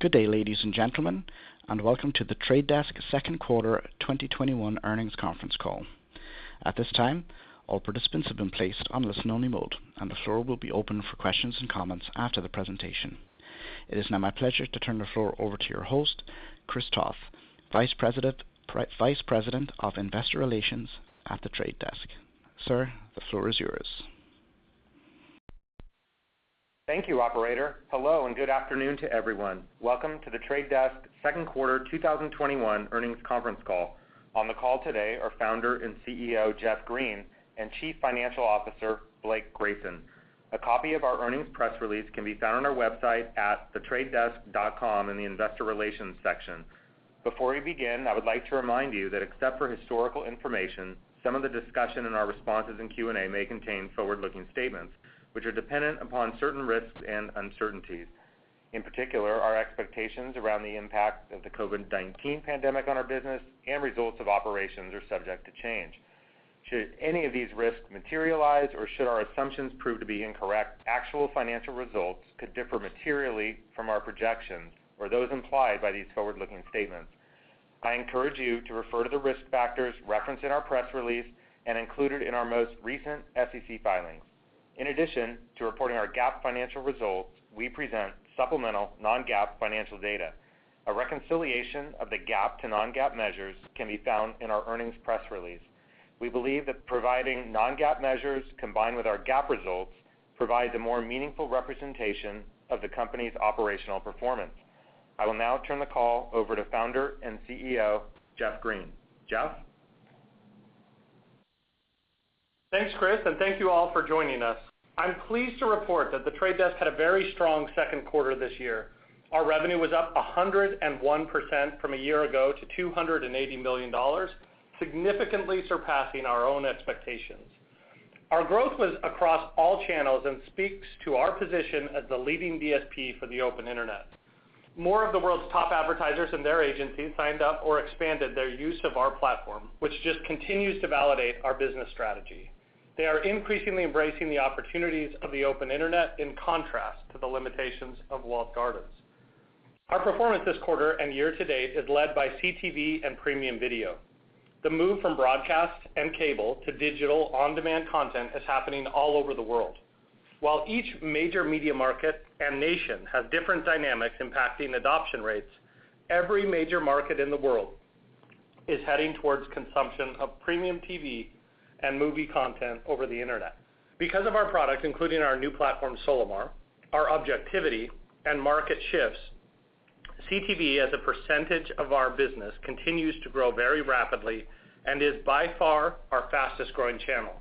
Good day, ladies and gentlemen, and welcome to The Trade Desk second quarter 2021 Earnings Conference Call. At this time, all participants have been placed on listen-only mode, and the floor will be open for questions and comments after the presentation. It is now my pleasure to turn the floor over to your host, Chris Toth, Vice President of Investor Relations at The Trade Desk. Sir, the floor is yours. Thank you, operator. Hello, and good afternoon to everyone. Welcome to The Trade Desk second quarter 2021 Earnings Conference Call. On the call today are founder and CEO, Jeff Green, and Chief Financial Officer, Blake Grayson. A copy of our earnings press release can be found on our website at thetradedesk.com in the investor relations section. Before we begin, I would like to remind you that except for historical information, some of the discussion and our responses in Q&A may contain forward-looking statements, which are dependent upon certain risks and uncertainties. In particular, our expectations around the impact of the COVID-19 pandemic on our business and results of operations are subject to change. Should any of these risks materialize or should our assumptions prove to be incorrect, actual financial results could differ materially from our projections or those implied by these forward-looking statements. I encourage you to refer to the risk factors referenced in our press release and included in our most recent SEC filings. In addition to reporting our GAAP financial results, we present supplemental non-GAAP financial data. A reconciliation of the GAAP to non-GAAP measures can be found in our earnings press release. We believe that providing non-GAAP measures combined with our GAAP results provides a more meaningful representation of the company's operational performance. I will now turn the call over to founder and CEO, Jeff Green. Jeff? Thanks, Chris, and thank you all for joining us. I'm pleased to report that The Trade Desk had a very strong second quarter this year. Our revenue was up 101% from a year ago to $280 million, significantly surpassing our own expectations. Our growth was across all channels and speaks to our position as the leading DSP for the open internet. More of the world's top advertisers and their agencies signed up or expanded their use of our platform, which just continues to validate our business strategy. They are increasingly embracing the opportunities of the open internet in contrast to the limitations of walled gardens. Our performance this quarter and year to date is led by CTV and premium video. The move from broadcast and cable to digital on-demand content is happening all over the world. While each major media market and nation has different dynamics impacting adoption rates, every major market in the world is heading towards consumption of premium TV and movie content over the internet, because of our products, including our new platform, Solimar, our objectivity and market shifts, CTV as a percentage of our business continues to grow very rapidly and is by far our fastest-growing channel.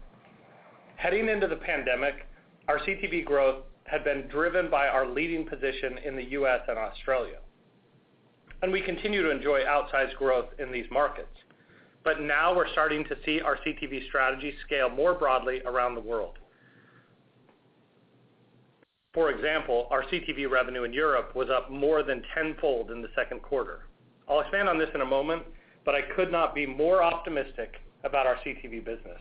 Heading into the pandemic, our CTV growth had been driven by our leading position in the U.S. and Australia, and we continue to enjoy outsized growth in these markets. Now we're starting to see our CTV strategy scale more broadly around the world. For example, our CTV revenue in Europe was up more than tenfold in the second quarter. I'll expand on this in a moment, I could not be more optimistic about our CTV business.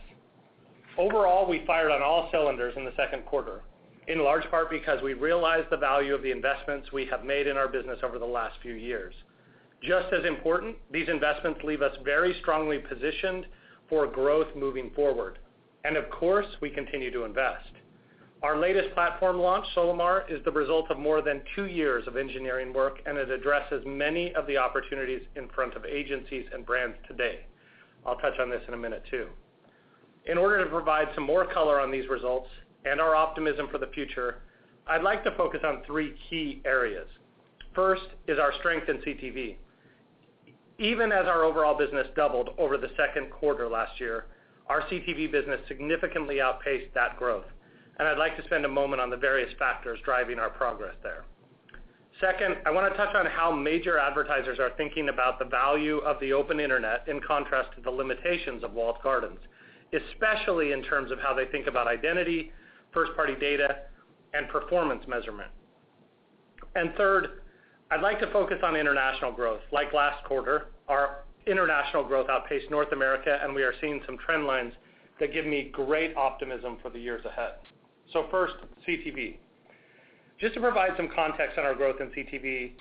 Overall, we fired on all cylinders in the second quarter, in large part because we realized the value of the investments we have made in our business over the last few years. Just as important, these investments leave us very strongly positioned for growth moving forward. Of course, we continue to invest. Our latest platform launch, Solimar, is the result of more than two years of engineering work, and it addresses many of the opportunities in front of agencies and brands today. I'll touch on this in a minute, too. In order to provide some more color on these results and our optimism for the future, I'd like to focus on three key areas. First is our strength in CTV. Even as our overall business doubled over the second quarter last year, our CTV business significantly outpaced that growth. I'd like to spend a moment on the various factors driving our progress there. Second, I want to touch on how major advertisers are thinking about the value of the open internet in contrast to the limitations of walled gardens, especially in terms of how they think about identity, first-party data, and performance measurement. Third, I'd like to focus on international growth. Like last quarter, our international growth outpaced North America, and we are seeing some trend lines that give me great optimism for the years ahead. First, CTV. Just to provide some context on our growth in CTV,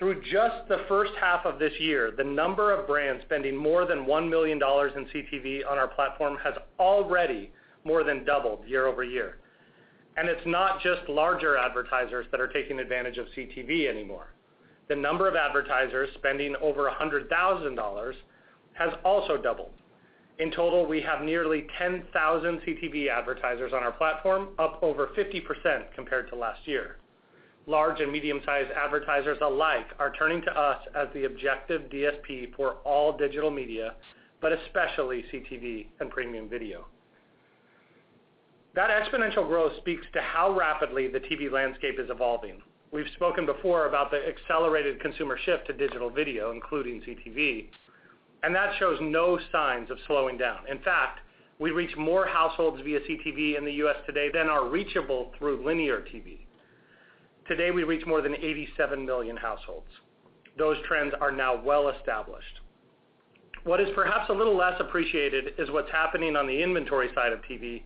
through just the first half of this year, the number of brands spending more than $1 million in CTV on our platform has already more than doubled year-over-year. It's not just larger advertisers that are taking advantage of CTV anymore. The number of advertisers spending over $100,000 has also doubled. In total, we have nearly 10,000 CTV advertisers on our platform, up over 50% compared to last year. Large and medium-sized advertisers alike are turning to us as the objective DSP for all digital media, but especially CTV and premium video. That exponential growth speaks to how rapidly the TV landscape is evolving. We've spoken before about the accelerated consumer shift to digital video, including CTV, and that shows no signs of slowing down. In fact, we reach more households via CTV in the U.S. today than are reachable through linear TV. Today, we reach more than 87 million households. Those trends are now well established. What is perhaps a little less appreciated is what's happening on the inventory side of TV,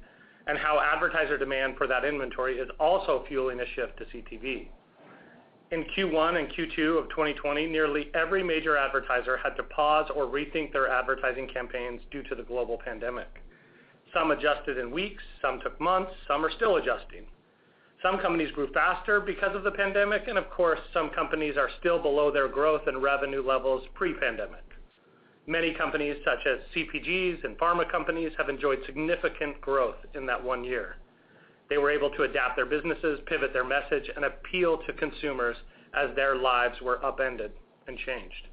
and how advertiser demand for that inventory is also fueling a shift to CTV. In Q1 and Q2 of 2020, nearly every major advertiser had to pause or rethink their advertising campaigns due to the global pandemic. Some adjusted in weeks, some took months, some are still adjusting. Some companies grew faster because of the pandemic. Of course, some companies are still below their growth and revenue levels pre-pandemic. Many companies, such as CPGs and pharma companies, have enjoyed significant growth in that one year. They were able to adapt their businesses, pivot their message and appeal to consumers as their lives were upended and changed.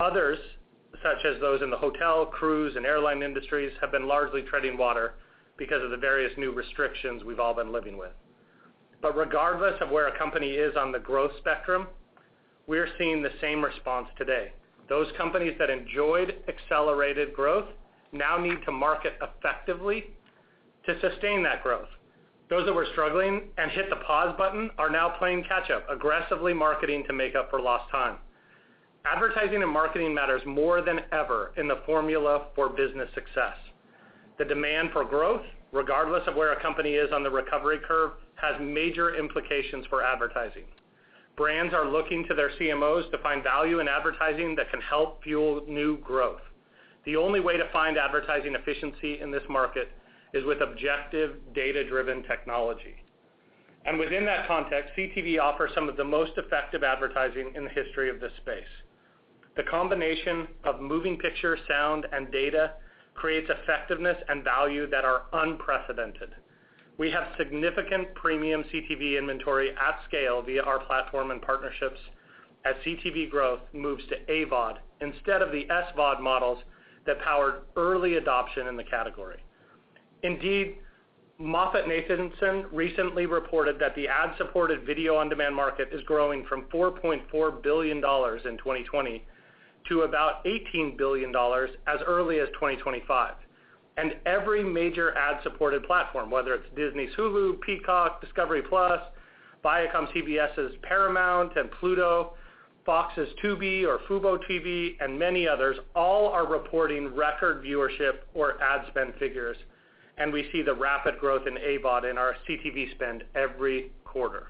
Others, such as those in the hotel, cruise and airline industries, have been largely treading water because of the various new restrictions we've all been living with. Regardless of where a company is on the growth spectrum, we're seeing the same response today. Those companies that enjoyed accelerated growth now need to market effectively to sustain that growth. Those that were struggling and hit the pause button are now playing catch-up, aggressively marketing to make up for lost time. Advertising and marketing matters more than ever in the formula for business success. The demand for growth, regardless of where a company is on the recovery curve, has major implications for advertising. Brands are looking to their CMOs to find value in advertising that can help fuel new growth. The only way to find advertising efficiency in this market is with objective, data-driven technology. Within that context, CTV offers some of the most effective advertising in the history of this space. The combination of moving picture, sound and data creates effectiveness and value that are unprecedented. We have significant premium CTV inventory at scale via our platform and partnerships as CTV growth moves to AVOD instead of the SVOD models that powered early adoption in the category. MoffettNathanson recently reported that the ad-supported video-on-demand market is growing from $4.4 billion in 2020 to about $18 billion as early as 2025. Every major ad-supported platform, whether it's Disney's Hulu, Peacock, discover+, ViacomCBS's Paramount and Pluto, Fox's Tubi or fuboTV, and many others, all are reporting record viewership or ad spend figures, and we see the rapid growth in AVOD in our CTV spend every quarter.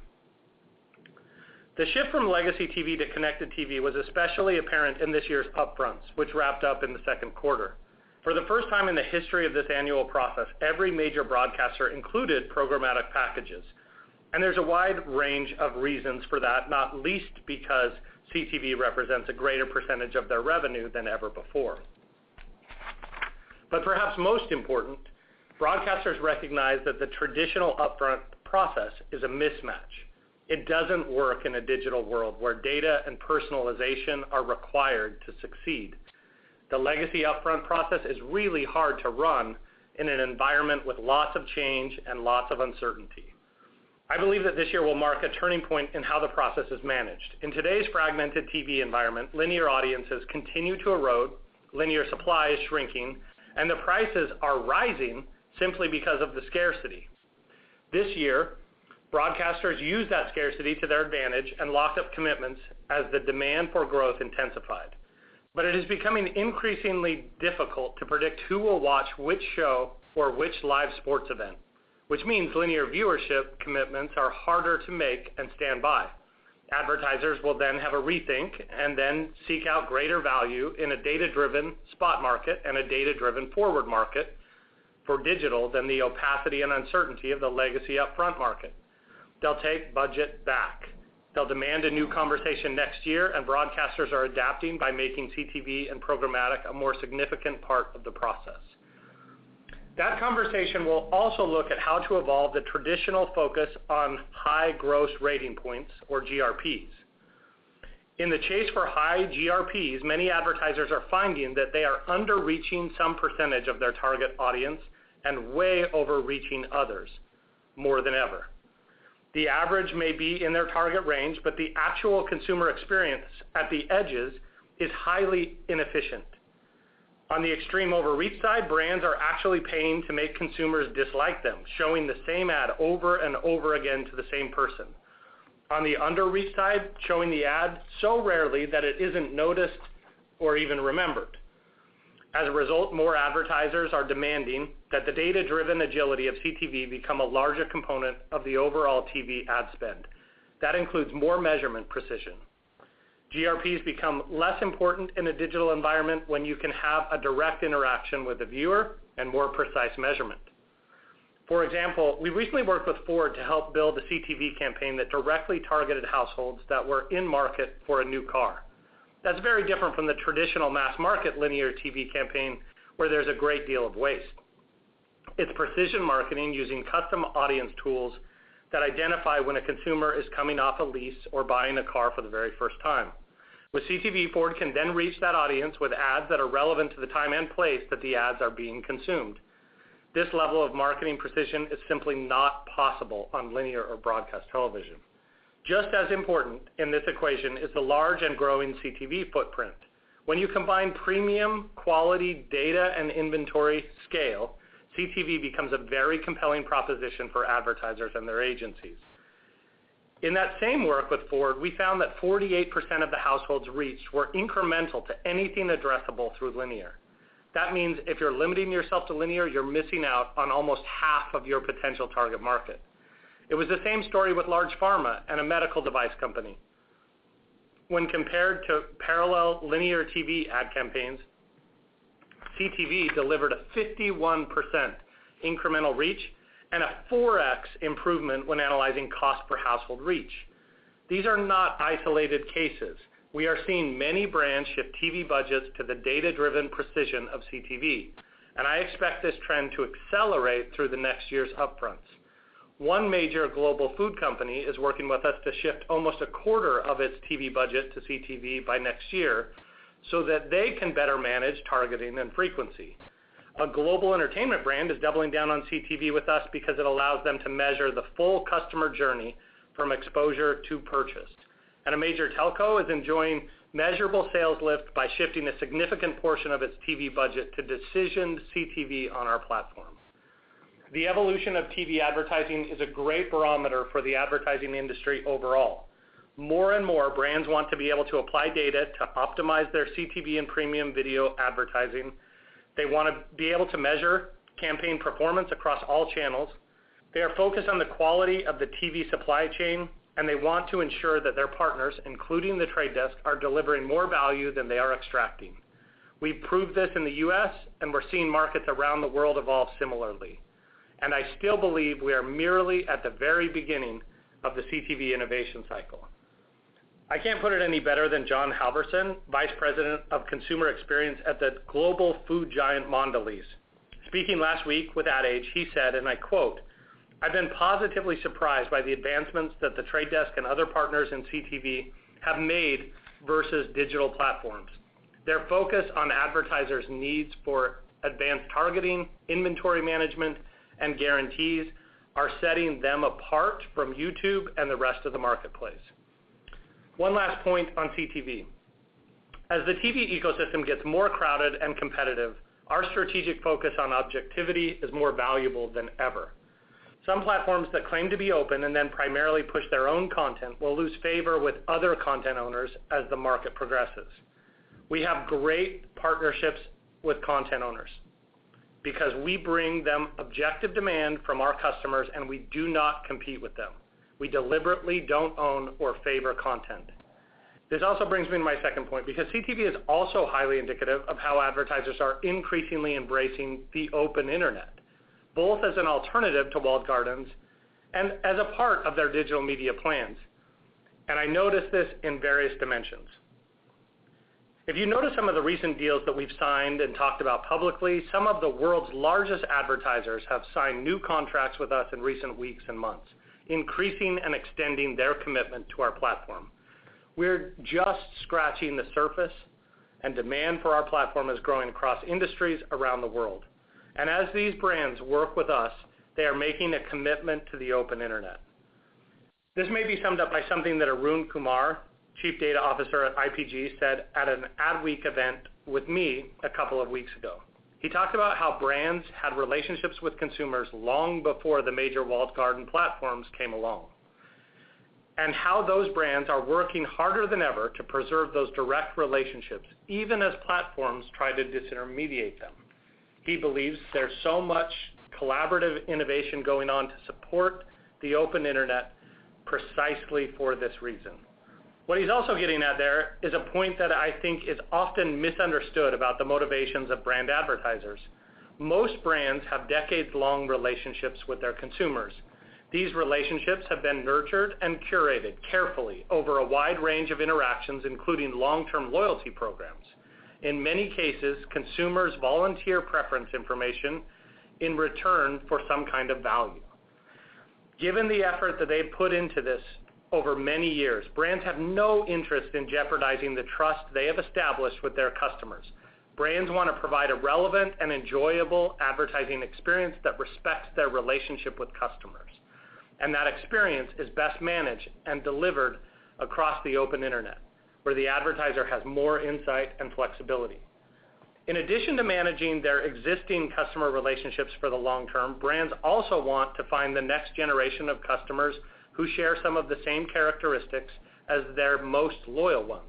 The shift from legacy TV to connected TV was especially apparent in this year's upfronts, which wrapped up in the second quarter. For the first time in the history of this annual process, every major broadcaster included programmatic packages, and there's a wide range of reasons for that, not least because CTV represents a greater percentage of their revenue than ever before. Perhaps most important, broadcasters recognize that the traditional upfront process is a mismatch. It doesn't work in a digital world where data and personalization are required to succeed. The legacy upfront process is really hard to run in an environment with lots of change and lots of uncertainty. I believe that this year will mark a turning point in how the process is managed. In today's fragmented TV environment, linear audiences continue to erode, linear supply is shrinking, and the prices are rising simply because of the scarcity. This year, broadcasters used that scarcity to their advantage and locked up commitments as the demand for growth intensified. It is becoming increasingly difficult to predict who will watch which show or which live sports event, which means linear viewership commitments are harder to make and stand by. Advertisers will then have a rethink and then seek out greater value in a data-driven spot market and a data-driven forward market for digital than the opacity and uncertainty of the legacy upfront market. They'll take budget back. They'll demand a new conversation next year, and broadcasters are adapting by making CTV and programmatic a more significant part of the process. That conversation will also look at how to evolve the traditional focus on high gross rating points or GRPs. In the chase for high GRPs, many advertisers are finding that they are under-reaching some percentage of their target audience and way over-reaching others more than ever. The average may be in their target range, but the actual consumer experience at the edges is highly inefficient. On the extreme over-reach side, brands are actually paying to make consumers dislike them, showing the same ad over and over again to the same person. On the under-reach side, showing the ad so rarely that it isn't noticed or even remembered. More advertisers are demanding that the data-driven agility of CTV become a larger component of the overall TV ad spend. That includes more measurement precision. GRPs become less important in a digital environment when you can have a direct interaction with the viewer and more precise measurement. We recently worked with Ford to help build a CTV campaign that directly targeted households that were in market for a new car. That's very different from the traditional mass market linear TV campaign where there's a great deal of waste. It's precision marketing using custom audience tools that identify when a consumer is coming off a lease or buying a car for the very first time. With CTV, Ford can then reach that audience with ads that are relevant to the time and place that the ads are being consumed. This level of marketing precision is simply not possible on linear or broadcast television. Just as important in this equation is the large and growing CTV footprint. When you combine premium, quality data and inventory scale, CTV becomes a very compelling proposition for advertisers and their agencies. In that same work with Ford, we found that 48% of the households reached were incremental to anything addressable through linear. That means if you're limiting yourself to linear, you're missing out on almost half of your potential target market. It was the same story with large pharma and a medical device company. When compared to parallel linear TV ad campaigns, CTV delivered a 51% incremental reach and a 4x improvement when analyzing cost per household reach. These are not isolated cases. We are seeing many brands shift TV budgets to the data-driven precision of CTV, and I expect this trend to accelerate through the next year's upfronts. One major global food company is working with us to shift almost a quarter of its TV budget to CTV by next year so that they can better manage targeting and frequency. A global entertainment brand is doubling down on CTV with us because it allows them to measure the full customer journey from exposure to purchase. A major telco is enjoying measurable sales lift by shifting a significant portion of its TV budget to decision CTV on our platform. The evolution of TV advertising is a great barometer for the advertising industry overall. More and more brands want to be able to apply data to optimize their CTV and premium video advertising. They want to be able to measure campaign performance across all channels. They are focused on the quality of the TV supply chain. They want to ensure that their partners, including The Trade Desk, are delivering more value than they are extracting. We've proved this in the U.S. We're seeing markets around the world evolve similarly. I still believe we are merely at the very beginning of the CTV innovation cycle. I can't put it any better than Jon Halvorson, Vice President of Consumer Experience at the global food giant, Mondelēz. Speaking last week with Ad Age, he said, and I quote, "I've been positively surprised by the advancements that The Trade Desk and other partners in CTV have made versus digital platforms. Their focus on advertisers' needs for advanced targeting, inventory management, and guarantees are setting them apart from YouTube and the rest of the marketplace." One last point on CTV. As the TV ecosystem gets more crowded and competitive, our strategic focus on objectivity is more valuable than ever. Some platforms that claim to be open and then primarily push their own content will lose favor with other content owners as the market progresses. We have great partnerships with content owners because we bring them objective demand from our customers, and we do not compete with them. We deliberately don't own or favor content. This also brings me to my second point, because CTV is also highly indicative of how advertisers are increasingly embracing the open internet, both as an alternative to walled gardens and as a part of their digital media plans. I notice this in various dimensions. If you notice some of the recent deals that we've signed and talked about publicly, some of the world's largest advertisers have signed new contracts with us in recent weeks and months, increasing and extending their commitment to our platform. We're just scratching the surface, and demand for our platform is growing across industries around the world. As these brands work with us, they are making a commitment to the open internet. This may be summed up by something that Arun Kumar, Chief Data Officer at IPG, said at an Adweek event with me a couple of weeks ago. He talked about how brands had relationships with consumers long before the major walled garden platforms came along, and how those brands are working harder than ever to preserve those direct relationships, even as platforms try to disintermediate them. He believes there's so much collaborative innovation going on to support the open internet precisely for this reason. What he's also getting at there is a point that I think is often misunderstood about the motivations of brand advertisers. Most brands have decades-long relationships with their consumers. These relationships have been nurtured and curated carefully over a wide range of interactions, including long-term loyalty programs. In many cases, consumers volunteer preference information in return for some kind of value. Given the effort that they've put into this over many years, brands have no interest in jeopardizing the trust they have established with their customers. Brands want to provide a relevant and enjoyable advertising experience that respects their relationship with customers, and that experience is best managed and delivered across the open internet, where the advertiser has more insight and flexibility. In addition to managing their existing customer relationships for the long term, brands also want to find the next generation of customers who share some of the same characteristics as their most loyal ones.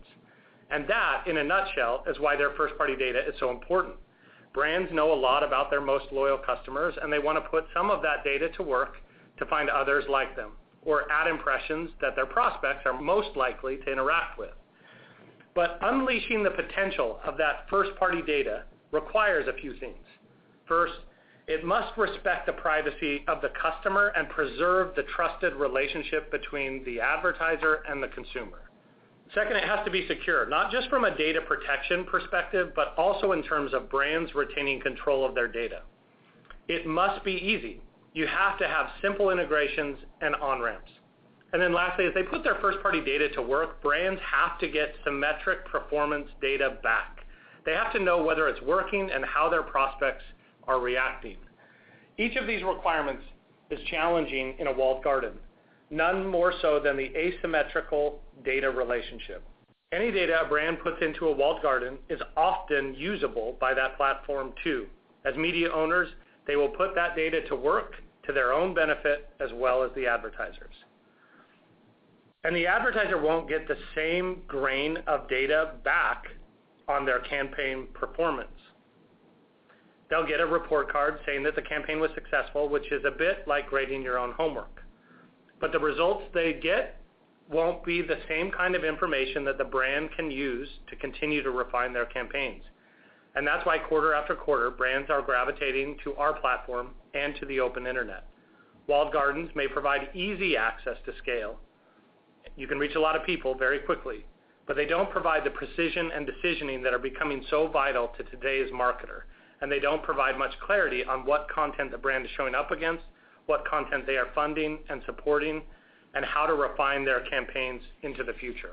That, in a nutshell, is why their first-party data is so important. Brands know a lot about their most loyal customers, and they want to put some of that data to work to find others like them or add impressions that their prospects are most likely to interact with. Unleashing the potential of that first-party data requires a few things. First, it must respect the privacy of the customer and preserve the trusted relationship between the advertiser and the consumer. Second, it has to be secure, not just from a data protection perspective, but also in terms of brands retaining control of their data. It must be easy. You have to have simple integrations and on-ramps. Lastly, as they put their first-party data to work, brands have to get symmetric performance data back. They have to know whether it's working and how their prospects are reacting. Each of these requirements is challenging in a walled garden, none more so than the asymmetrical data relationship. Any data a brand puts into a walled garden is often usable by that platform too. As media owners, they will put that data to work to their own benefit as well as the advertisers'. The advertiser won't get the same grain of data back on their campaign performance. They'll get a report card saying that the campaign was successful, which is a bit like grading your own homework. The results they get won't be the same kind of information that the brand can use to continue to refine their campaigns. That's why quarter after quarter, brands are gravitating to our platform and to the open internet. Walled gardens may provide easy access to scale. You can reach a lot of people very quickly, but they don't provide the precision and decisioning that are becoming so vital to today's marketer, and they don't provide much clarity on what content the brand is showing up against, what content they are funding and supporting, and how to refine their campaigns into the future.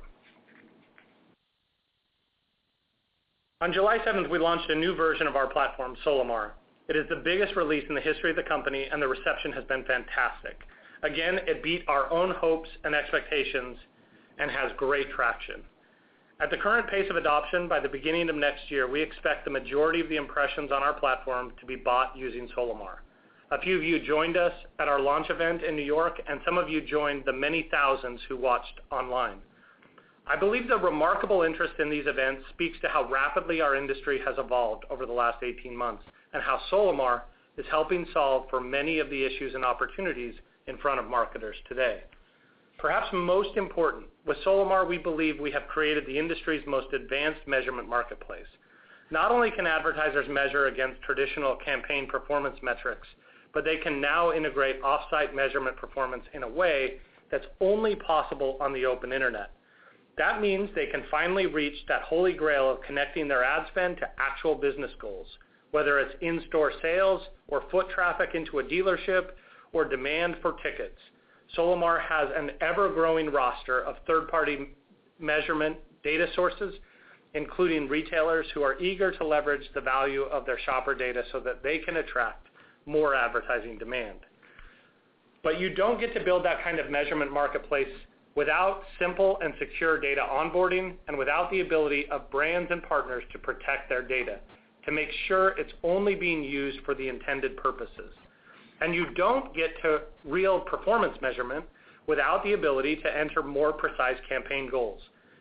On July 7th, we launched a new version of our platform, Solimar. It is the biggest release in the history of the company, and the reception has been fantastic. Again, it beat our own hopes and expectations and has great traction. At the current pace of adoption, by the beginning of next year, we expect the majority of the impressions on our platform to be bought using Solimar. A few of you joined us at our launch event in New York, and some of you joined the many thousands who watched online. I believe the remarkable interest in these events speaks to how rapidly our industry has evolved over the last 18 months, and how Solimar is helping solve for many of the issues and opportunities in front of marketers today. Perhaps most important, with Solimar, we believe we have created the industry's most advanced measurement marketplace. Not only can advertisers measure against traditional campaign performance metrics, but they can now integrate off-site measurement performance in a way that's only possible on the open internet. That means they can finally reach that holy grail of connecting their ad spend to actual business goals, whether it's in-store sales, or foot traffic into a dealership, or demand for tickets. Solimar has an ever-growing roster of third-party measurement data sources, including retailers who are eager to leverage the value of their shopper data so that they can attract more advertising demand. You don't get to build that kind of measurement marketplace without simple and secure data onboarding and without the ability of brands and partners to protect their data to make sure it's only being used for the intended purposes. You don't get to real performance measurement without the ability to enter more precise campaign goals,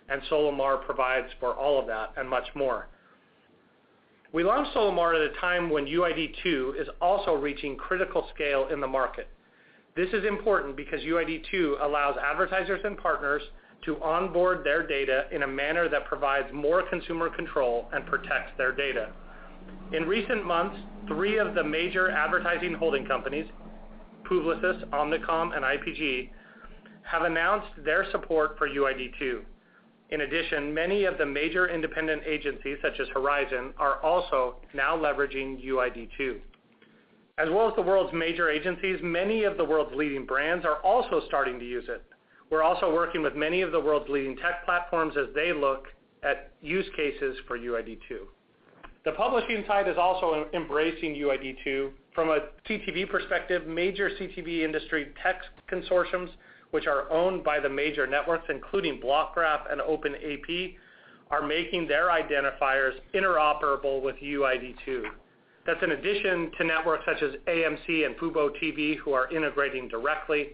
and Solimar provides for all of that and much more. We launched Solimar at a time when UID2 is also reaching critical scale in the market. This is important because UID2 allows advertisers and partners to onboard their data in a manner that provides more consumer control and protects their data. In recent months, three of the major advertising holding companies, Publicis, Omnicom, and IPG, have announced their support for UID2. In addition, many of the major independent agencies, such as Horizon, are also now leveraging UID2. As well as the world's major agencies, many of the world's leading brands are also starting to use it. We're also working with many of the world's leading tech platforms as they look at use cases for UID2. The publishing side is also embracing UID2. From a CTV perspective, major CTV industry tech consortiums, which are owned by the major networks, including Blockgraph and OpenAP, are making their identifiers interoperable with UID2. That's an addition to networks such as AMC and FuboTV, who are integrating directly,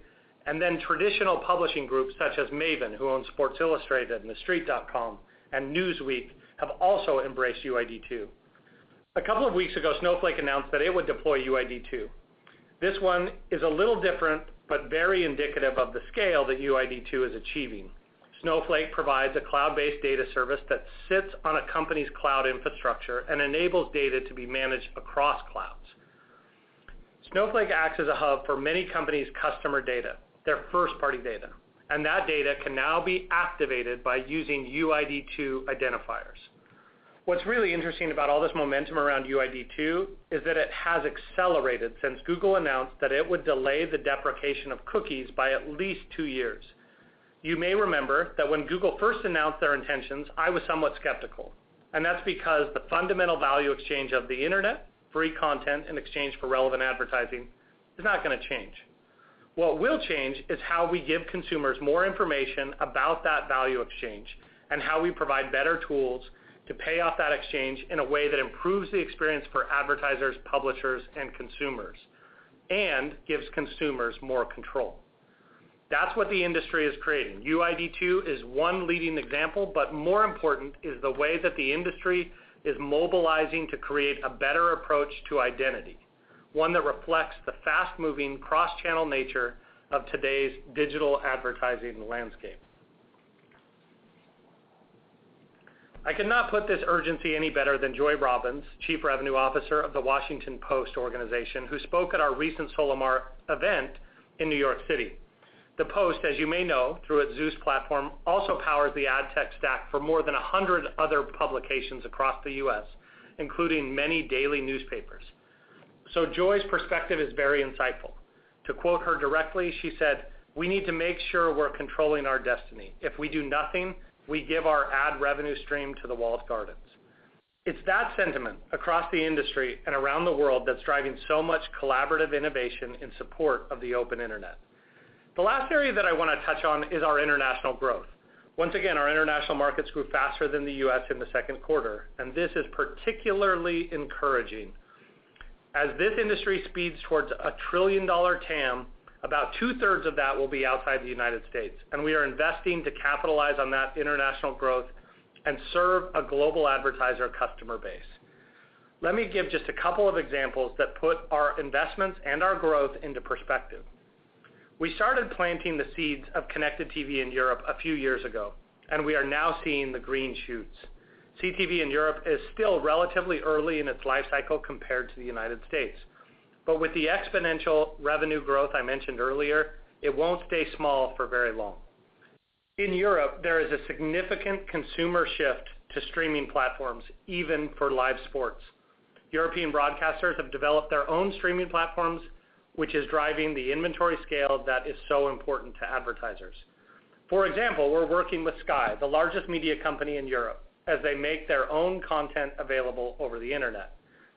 and then traditional publishing groups such as Maven, who owns Sports Illustrated and TheStreet.com, and Newsweek have also embraced UID2. A couple of weeks ago, Snowflake announced that it would deploy UID2. This one is a little different but very indicative of the scale that UID2 is achieving. Snowflake provides a cloud-based data service that sits on a company's cloud infrastructure and enables data to be managed across clouds. Snowflake acts as a hub for many companies' customer data, their first-party data, and that data can now be activated by using UID2 identifiers. What's really interesting about all this momentum around UID2 is that it has accelerated since Google announced that it would delay the deprecation of cookies by at least two years. You may remember that when Google first announced their intentions, I was somewhat skeptical, and that's because the fundamental value exchange of the internet, free content in exchange for relevant advertising, is not going to change. What will change is how we give consumers more information about that value exchange and how we provide better tools to pay off that exchange in a way that improves the experience for advertisers, publishers, and consumers and gives consumers more control. That's what the industry is creating. UID2 is one leading example, but more important is the way that the industry is mobilizing to create a better approach to identity, one that reflects the fast-moving cross-channel nature of today's digital advertising landscape. I could not put this urgency any better than Joy Robins, Chief Revenue Officer of The Washington Post organization, who spoke at our recent Solimar event in New York City. The Post, as you may know, through its Zeus platform, also powers the ad tech stack for more than 100 other publications across the U.S., including many daily newspapers. Joy's perspective is very insightful. To quote her directly, she said, "We need to make sure we're controlling our destiny. If we do nothing, we give our ad revenue stream to the walled gardens." It's that sentiment across the industry and around the world that's driving so much collaborative innovation in support of the open internet. The last area that I want to touch on is our international growth. Once again, our international markets grew faster than the U.S. in the second quarter, and this is particularly encouraging. As this industry speeds towards a trillion-dollar TAM, about two-thirds of that will be outside the United States, and we are investing to capitalize on that international growth and serve a global advertiser customer base. Let me give just a couple of examples that put our investments and our growth into perspective. We started planting the seeds of connected TV in Europe a few years ago, and we are now seeing the green shoots. CTV in Europe is still relatively early in its life cycle compared to the United States. With the exponential revenue growth I mentioned earlier, it won't stay small for very long. In Europe, there is a significant consumer shift to streaming platforms, even for live sports. European broadcasters have developed their own streaming platforms, which is driving the inventory scale that is so important to advertisers. For example, we're working with Sky, the largest media company in Europe, as they make their own content available over the internet.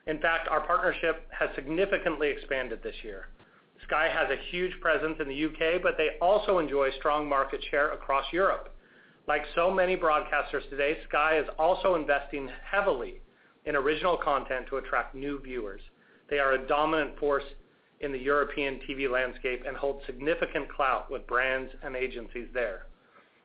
In fact, our partnership has significantly expanded this year. Sky has a huge presence in the U.K, but they also enjoy strong market share across Europe. Like so many broadcasters today, Sky is also investing heavily in original content to attract new viewers. They are a dominant force in the European TV landscape and hold significant clout with brands and agencies there.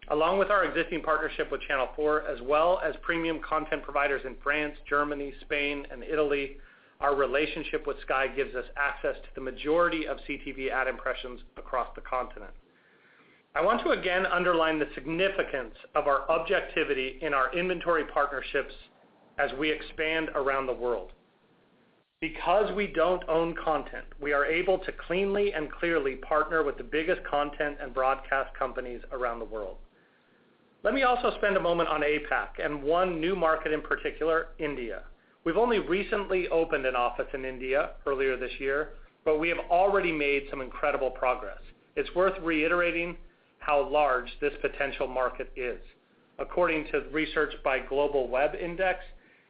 Along with our existing partnership with Channel 4, as well as premium content providers in France, Germany, Spain, and Italy, our relationship with Sky gives us access to the majority of CTV ad impressions across the continent. I want to again underline the significance of our objectivity in our inventory partnerships as we expand around the world, because we don't own content, we are able to cleanly and clearly partner with the biggest content and broadcast companies around the world. Let me also spend a moment on APAC and one new market in particular, India. We've only recently opened an office in India earlier this year, but we have already made some incredible progress. It's worth reiterating how large this potential market is. According to research by GlobalWebIndex,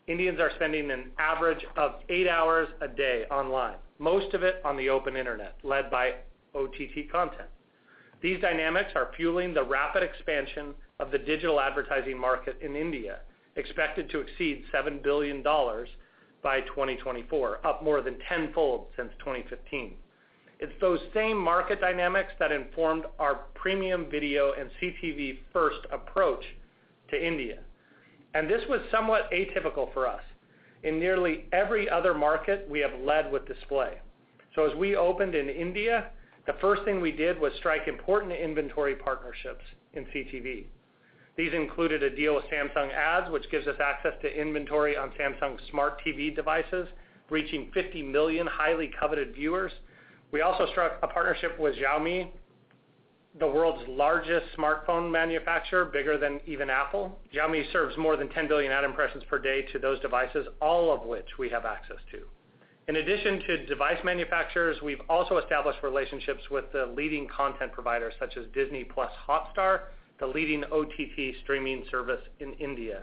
Indians are spending an average of 8 hours a day online, most of it on the open internet, led by OTT content. These dynamics are fueling the rapid expansion of the digital advertising market in India, expected to exceed $7 billion by 2024, up more than 10-fold since 2015. It's those same market dynamics that informed our premium video and CTV first approach to India, and this was somewhat atypical for us. In nearly every other market, we have led with display. As we opened in India, the first thing we did was strike important inventory partnerships in CTV. These included a deal with Samsung Ads, which gives us access to inventory on Samsung's smart TV devices, reaching 50 million highly coveted viewers. We also struck a partnership with Xiaomi, the world's largest smartphone manufacturer, bigger than even Apple. Xiaomi serves more than 10 billion ad impressions per day to those devices, all of which we have access to. In addition to device manufacturers, we've also established relationships with the leading content providers such as Disney+ Hotstar, the leading OTT streaming service in India.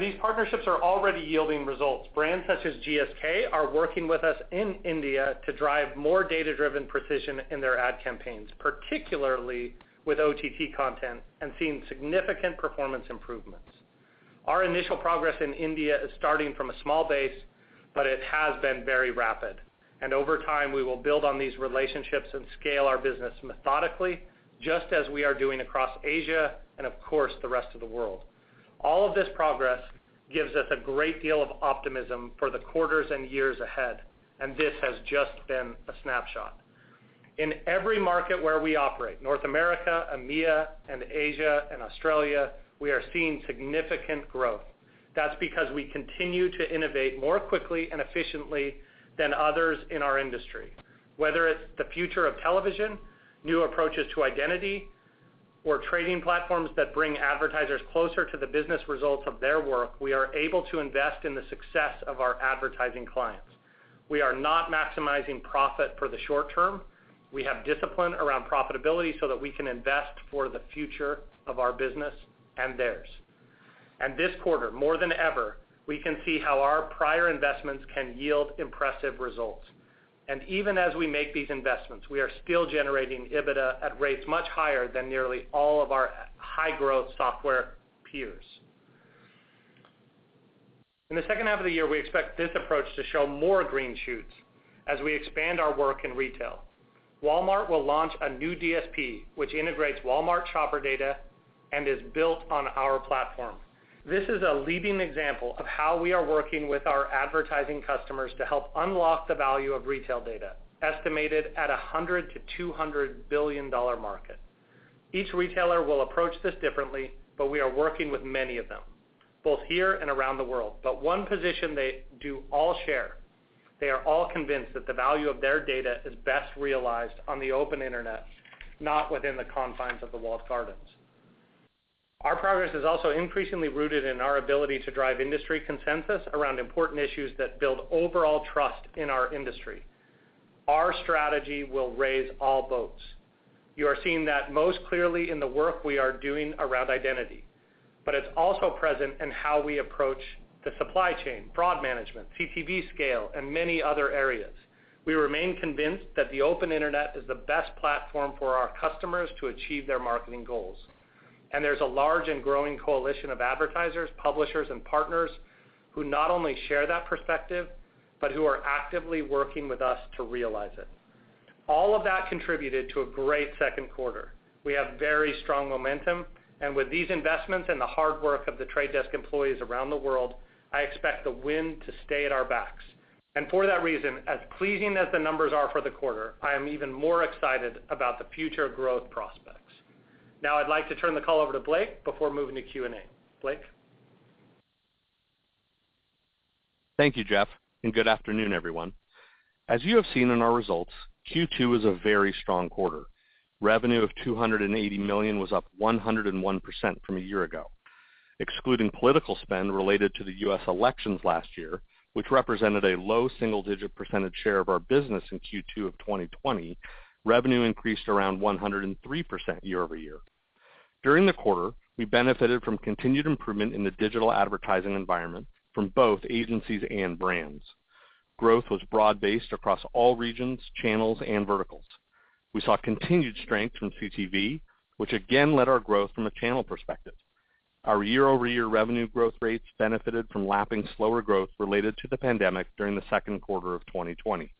These partnerships are already yielding results. Brands such as GSK are working with us in India to drive more data-driven precision in their ad campaigns, particularly with OTT content and seeing significant performance improvements. Our initial progress in India is starting from a small base, but it has been very rapid, and over time, we will build on these relationships and scale our business methodically, just as we are doing across Asia and of course the rest of the world. All of this progress gives us a great deal of optimism for the quarters and years ahead. This has just been a snapshot. In every market where we operate, North America, EMEA, and Asia, and Australia, we are seeing significant growth. That's because we continue to innovate more quickly and efficiently than others in our industry. Whether it's the future of television, new approaches to identity, or trading platforms that bring advertisers closer to the business results of their work, we are able to invest in the success of our advertising clients. We are not maximizing profit for the short term. We have discipline around profitability so that we can invest for the future of our business and theirs. This quarter, more than ever, we can see how our prior investments can yield impressive results. Even as we make these investments, we are still generating EBITDA at rates much higher than nearly all of our high-growth software peers. In the second half of the year, we expect this approach to show more green shoots as we expand our work in retail. Walmart will launch a new DSP, which integrates Walmart shopper data and is built on our platform. This is a leading example of how we are working with our advertising customers to help unlock the value of retail data, estimated at $100 billion-$200 billion market. Each retailer will approach this differently, but we are working with many of them, both here and around the world. One position they do all share, they are all convinced that the value of their data is best realized on the open internet, not within the confines of the walled gardens. Our progress is also increasingly rooted in our ability to drive industry consensus around important issues that build overall trust in our industry. Our strategy will raise all boats. You are seeing that most clearly in the work we are doing around identity, but it's also present in how we approach the supply chain, fraud management, CTV scale, and many other areas. We remain convinced that the open internet is the best platform for our customers to achieve their marketing goals, and there's a large and growing coalition of advertisers, publishers, and partners who not only share that perspective, but who are actively working with us to realize it. All of that contributed to a great second quarter. We have very strong momentum, and with these investments and the hard work of The Trade Desk employees around the world, I expect the wind to stay at our backs. For that reason, as pleasing as the numbers are for the quarter, I am even more excited about the future growth prospects. I'd like to turn the call over to Blake before moving to Q&A. Blake? Thank you, Jeff, and good afternoon, everyone. As you have seen in our results, Q2 was a very strong quarter. Revenue of $280 million was up 101% from a year-ago. Excluding political spend related to the U.S. elections last year, which represented a low single-digit percentage share of our business in Q2 of 2020, revenue increased around 103% year-over-year. During the quarter, we benefited from continued improvement in the digital advertising environment from both agencies and brands. Growth was broad-based across all regions, channels, and verticals. We saw continued strength from CTV, which again led our growth from a channel perspective. Our year-over-year revenue growth rates benefited from lapping slower growth related to the pandemic during the second quarter of 2020.